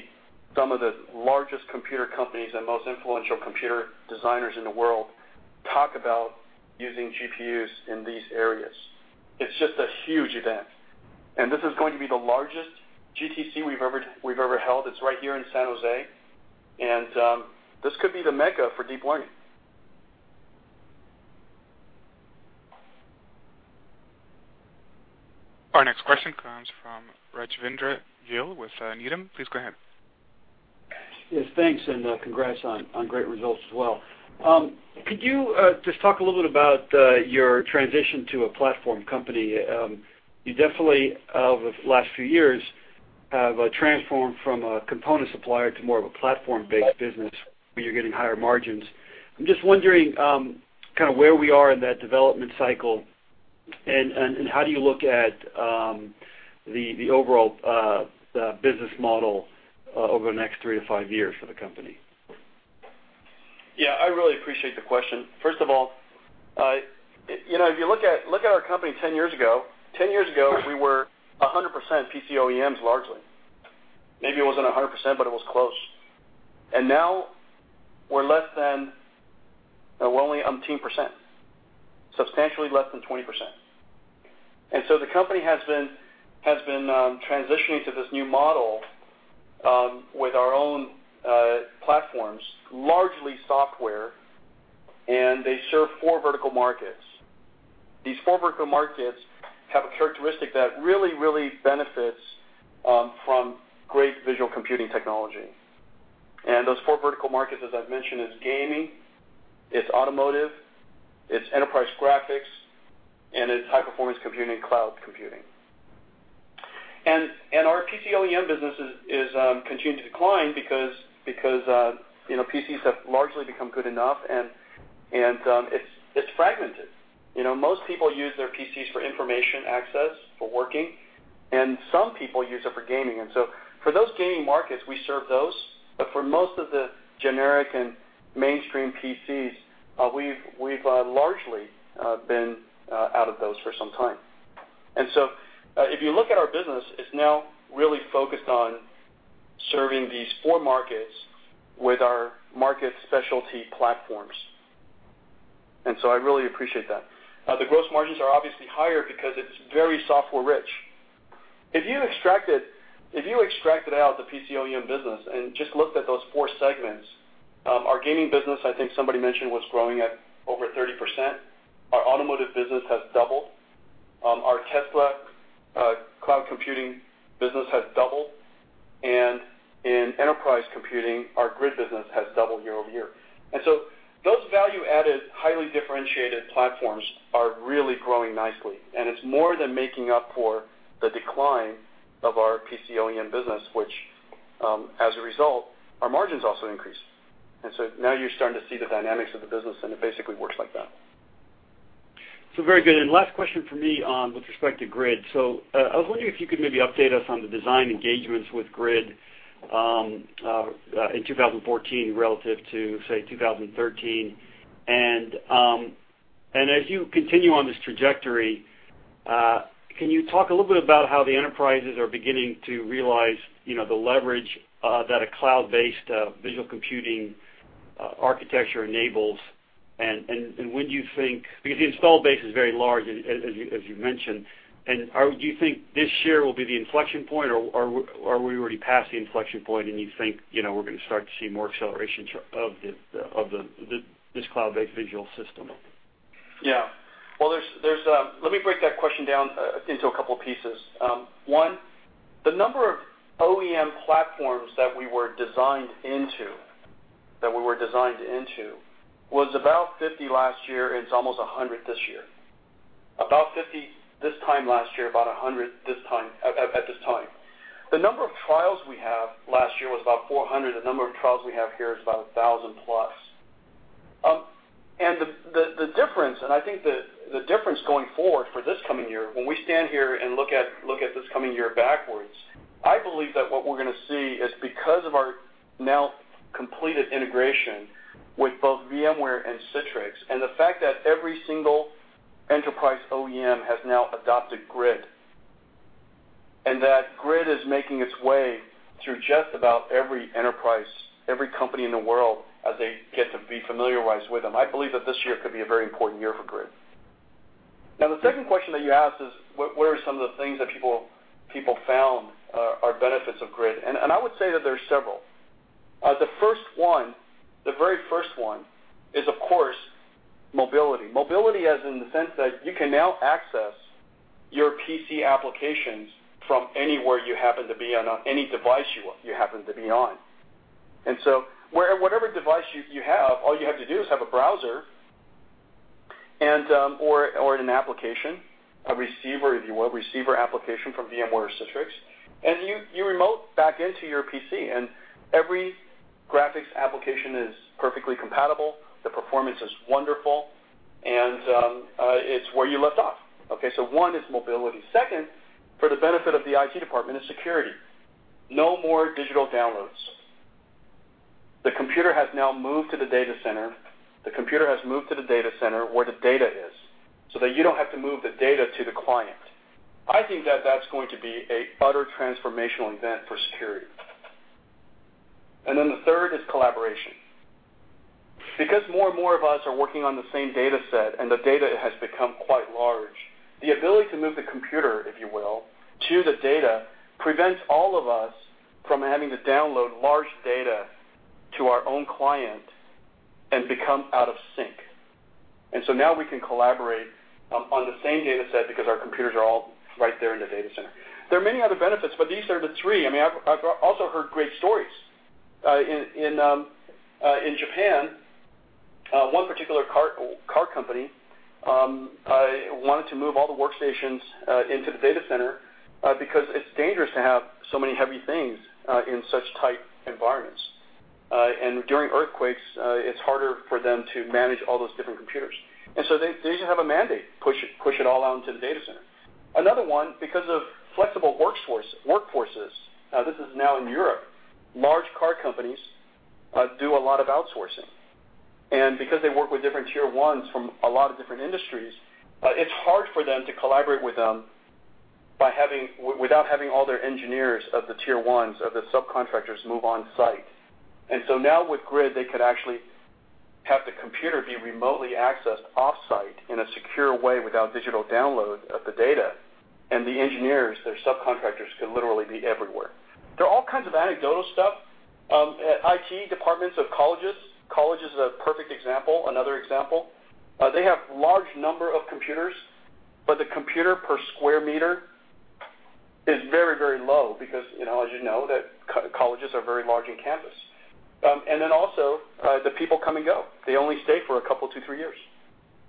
D: some of the largest computer companies and most influential computer designers in the world talk about using GPUs in these areas. It's just a huge event, and this is going to be the largest GTC we've ever held. It's right here in San Jose, and this could be the mecca for deep learning.
A: Our next question comes from Rajvindra Gill with Needham. Please go ahead.
M: Yes, thanks, congrats on great results as well. Could you just talk a little bit about your transition to a platform company? You definitely over the last few years have transformed from a component supplier to more of a platform-based business where you're getting higher margins. I'm just wondering, kinda where we are in that development cycle and how do you look at the overall business model over the next three to five years for the company?
D: I really appreciate the question. First of all, you know, if you look at our company 10 years ago, 10 years ago we were 100% PC OEMs largely. Maybe it wasn't 100%, but it was close. Now we're only umpteenth percent, substantially less than 20%. The company has been transitioning to this new model with our own platforms, largely software. They serve four vertical markets. These four vertical markets have a characteristic that really benefits from great visual computing technology. Those four vertical markets, as I've mentioned, is gaming, it's automotive, it's enterprise graphics, and it's high-performance computing, cloud computing. Our PC OEM business is continue to decline because, you know, PCs have largely become good enough, and it's fragmented. You know, most people use their PCs for information access, for working, and some people use it for gaming. For those gaming markets, we serve those. For most of the generic and mainstream PCs, we've largely been out of those for some time. If you look at our business, it's now really focused on serving these four markets with our market specialty platforms. I really appreciate that. The gross margins are obviously higher because it's very software-rich. If you extracted out the PC OEM business and just looked at those four segments, our gaming business, I think somebody mentioned, was growing at over 30%. Our automotive business has doubled. Our Tesla cloud computing business has doubled. In enterprise computing, our GRID business has doubled year-over-year. Those value-added, highly differentiated platforms are really growing nicely, and it's more than making up for the decline of our PC OEM business, which, as a result, our margins also increase. Now you're starting to see the dynamics of the business, and it basically works like that.
M: Very good. And last question from me, with respect to GRID. I was wondering if you could maybe update us on the design engagements with GRID in 2014 relative to, say, 2013. As you continue on this trajectory, can you talk a little bit about how the enterprises are beginning to realize, you know, the leverage that a cloud-based visual computing architecture enables? Because the install base is very large, as you, as you mentioned, do you think this year will be the inflection point, or we're already past the inflection point, and you think, you know, we're gonna start to see more acceleration of the this cloud-based visual system?
D: Yeah. Well, there's Let me break that question down into a couple pieces. One, the number of OEM platforms that we were designed into was about 50 last year, and it's almost 100 this year. About 50 this time last year, about 100 this time, at this time. The number of trials we have last year was about 400. The number of trials we have here is about 1,000 plus. The difference, and I think the difference going forward for this coming year, when we stand here and look at this coming year backwards, I believe that what we're gonna see is because of our now completed integration with both VMware and Citrix, and the fact that every single enterprise OEM has now adopted GRID, and that GRID is making its way through just about every enterprise, every company in the world as they get to be familiarized with them, I believe that this year could be a very important year for GRID. The second question that you asked is what are some of the things that people found are benefits of GRID? I would say that there are several. The very first one is, of course, mobility. Mobility as in the sense that you can now access your PC applications from anywhere you happen to be on any device you happen to be on. Whatever device you have, all you have to do is have a browser or an application, a receiver, if you will, receiver application from VMware or Citrix, and you remote back into your PC. Every graphics application is perfectly compatible, the performance is wonderful, and it's where you left off. Okay, one is mobility. Second, for the benefit of the IT department, is security. No more digital downloads. The computer has now moved to the data center. The computer has moved to the data center where the data is, so that you don't have to move the data to the client. I think that that's going to be a utter transformational event for security. The third is collaboration. More and more of us are working on the same data set, and the data has become quite large, the ability to move the computer, if you will, to the data prevents all of us from having to download large data to our own client and become out of sync. Now we can collaborate on the same data set because our computers are all right there in the data center. There are many other benefits, but these are the three. I mean, I've also heard great stories. In Japan, one particular car company wanted to move all the workstations into the data center because it's dangerous to have so many heavy things in such tight environments. During earthquakes, it's harder for them to manage all those different computers. They just have a mandate, push it all out into the data center. Another one, because of flexible workforces, this is now in Europe, large car companies do a lot of outsourcing. Because they work with different tier 1s from a lot of different industries, it's hard for them to collaborate with them without having all their engineers of the tier 1s, of the subcontractors move on-site. Now with GRID, they could actually have the computer be remotely accessed off-site in a secure way without digital download of the data. And the engineers, their subcontractors could literally be everywhere. There are all kinds of anecdotal stuff. IT departments of colleges. College is a perfect example, another example. They have large number of computers, but the computer per sq m is very, very low because, you know, as you know, that colleges are very large in campus. And then also, the people come and go. They only stay for a couple, two, three years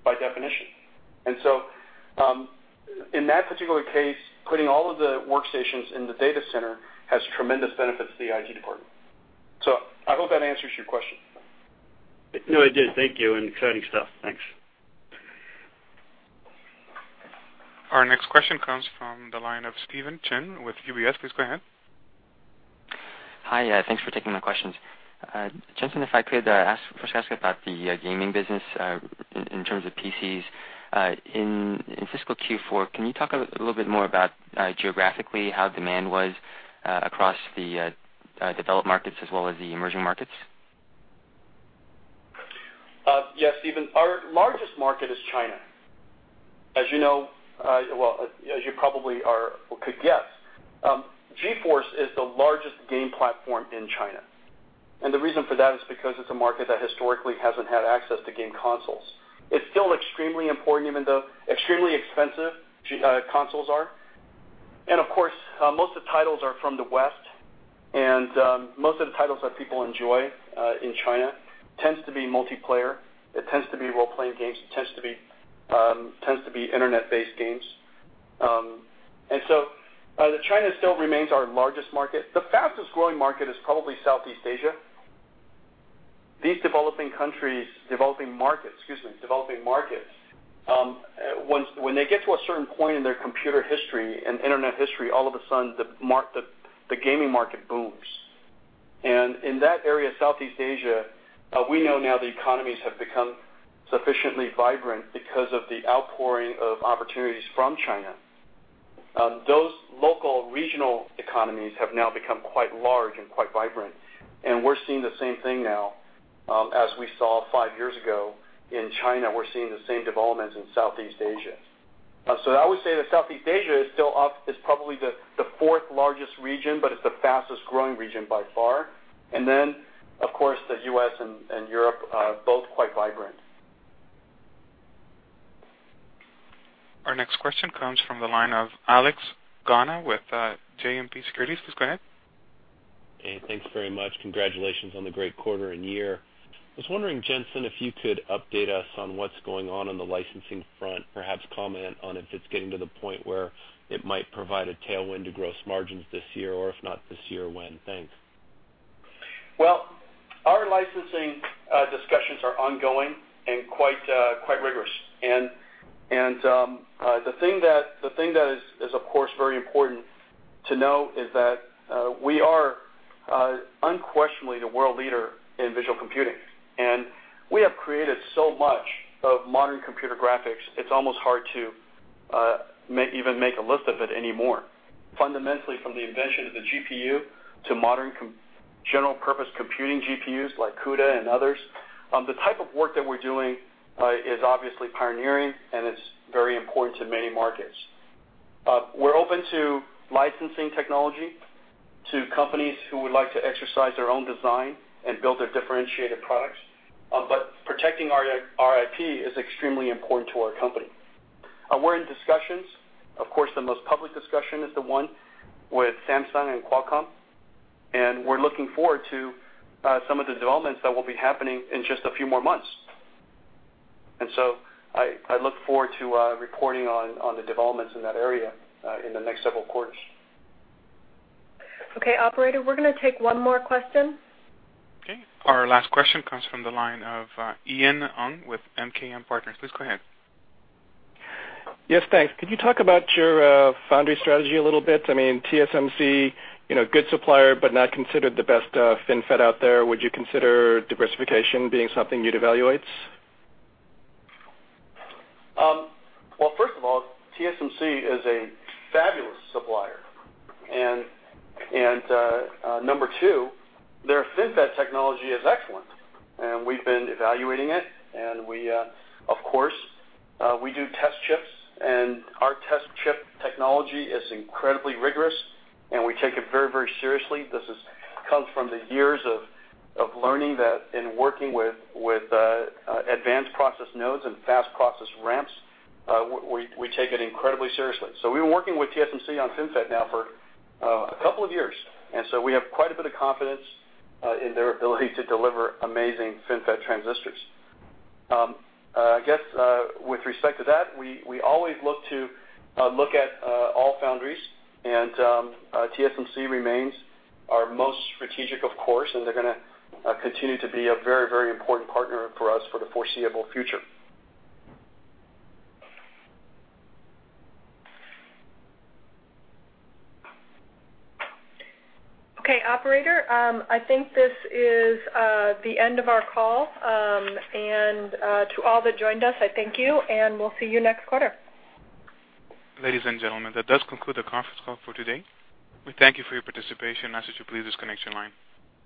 D: by definition. In that particular case, putting all of the workstations in the data center has tremendous benefits to the IT department. I hope that answers your question.
M: No, it did. Thank you. Exciting stuff. Thanks.
A: Our next question comes from the line of Stephen Chin with UBS. Please go ahead.
N: Hi. Yeah, thanks for taking my questions. Jensen, if I could first ask about the gaming business in terms of PCs. In fiscal Q4, can you talk a little bit more about geographically how demand was across the developed markets as well as the emerging markets?
D: Yes, Stephen. Our largest market is China. As you know, well, as you probably are or could guess, GeForce is the largest game platform in China. The reason for that is because it's a market that historically hasn't had access to game consoles. It's still extremely important, even though extremely expensive consoles are. Of course, most of the titles are from the West, and most of the titles that people enjoy in China tends to be multiplayer. It tends to be role-playing games. It tends to be Internet-based games. China still remains our largest market. The fastest-growing market is probably Southeast Asia. These developing countries, developing markets, excuse me, developing markets, when they get to a certain point in their computer history and internet history, all of a sudden, the gaming market booms. In that area, Southeast Asia, we know now the economies have become sufficiently vibrant because of the outpouring of opportunities from China. Those local regional economies have now become quite large and quite vibrant, and we're seeing the same thing now, as we saw five years ago in China. We're seeing the same developments in Southeast Asia. I would say that Southeast Asia is still up. It's probably the fourth largest region, but it's the fastest-growing region by far. Of course, the U.S. and Europe are both quite vibrant.
A: Our next question comes from the line of Alex Gauna with JMP Securities. Please go ahead.
O: Hey, thanks very much. Congratulations on the great quarter and year. I was wondering, Jensen, if you could update us on what's going on on the licensing front, perhaps comment on if it's getting to the point where it might provide a tailwind to gross margins this year, or if not this year, when? Thanks.
D: Well, our licensing discussions are ongoing and quite rigorous. The thing that is of course very important to know is that we are unquestionably the world leader in visual computing, and we have created so much of modern computer graphics, it's almost hard to even make a list of it anymore. Fundamentally, from the invention of the GPU to modern general purpose computing GPUs like CUDA and others, the type of work that we're doing is obviously pioneering, and it's very important to many markets. We're open to licensing technology to companies who would like to exercise their own design and build their differentiated products, but protecting our IP is extremely important to our company. We're in discussions. Of course, the most public discussion is the one with Samsung and Qualcomm, and we're looking forward to some of the developments that will be happening in just a few more months. I look forward to reporting on the developments in that area in the next several quarters.
B: Okay. Operator, we're gonna take one more question.
A: Okay. Our last question comes from the line of Ian Ing with MKM Partners. Please go ahead.
P: Yes, thanks. Could you talk about your foundry strategy a little bit? I mean, TSMC, you know, good supplier, but not considered the best FinFET out there. Would you consider diversification being something you'd evaluate?
D: First of all, TSMC is a fabulous supplier. Number two, their FinFET technology is excellent, and we've been evaluating it. We, of course, we do test chips, and our test chip technology is incredibly rigorous, and we take it very, very seriously. This comes from the years of learning that in working with advanced process nodes and fast process ramps, we take it incredibly seriously. We've been working with TSMC on FinFET now for a couple of years, and so we have quite a bit of confidence in their ability to deliver amazing FinFET transistors. I guess, with respect to that, we always look to look at all foundries and TSMC remains our most strategic, of course, and they're gonna continue to be a very, very important partner for us for the foreseeable future.
B: Okay, operator, I think this is the end of our call. To all that joined us, I thank you, and we'll see you next quarter.
A: Ladies and gentlemen, that does conclude the conference call for today. We thank you for your participation and ask that you please disconnect your line.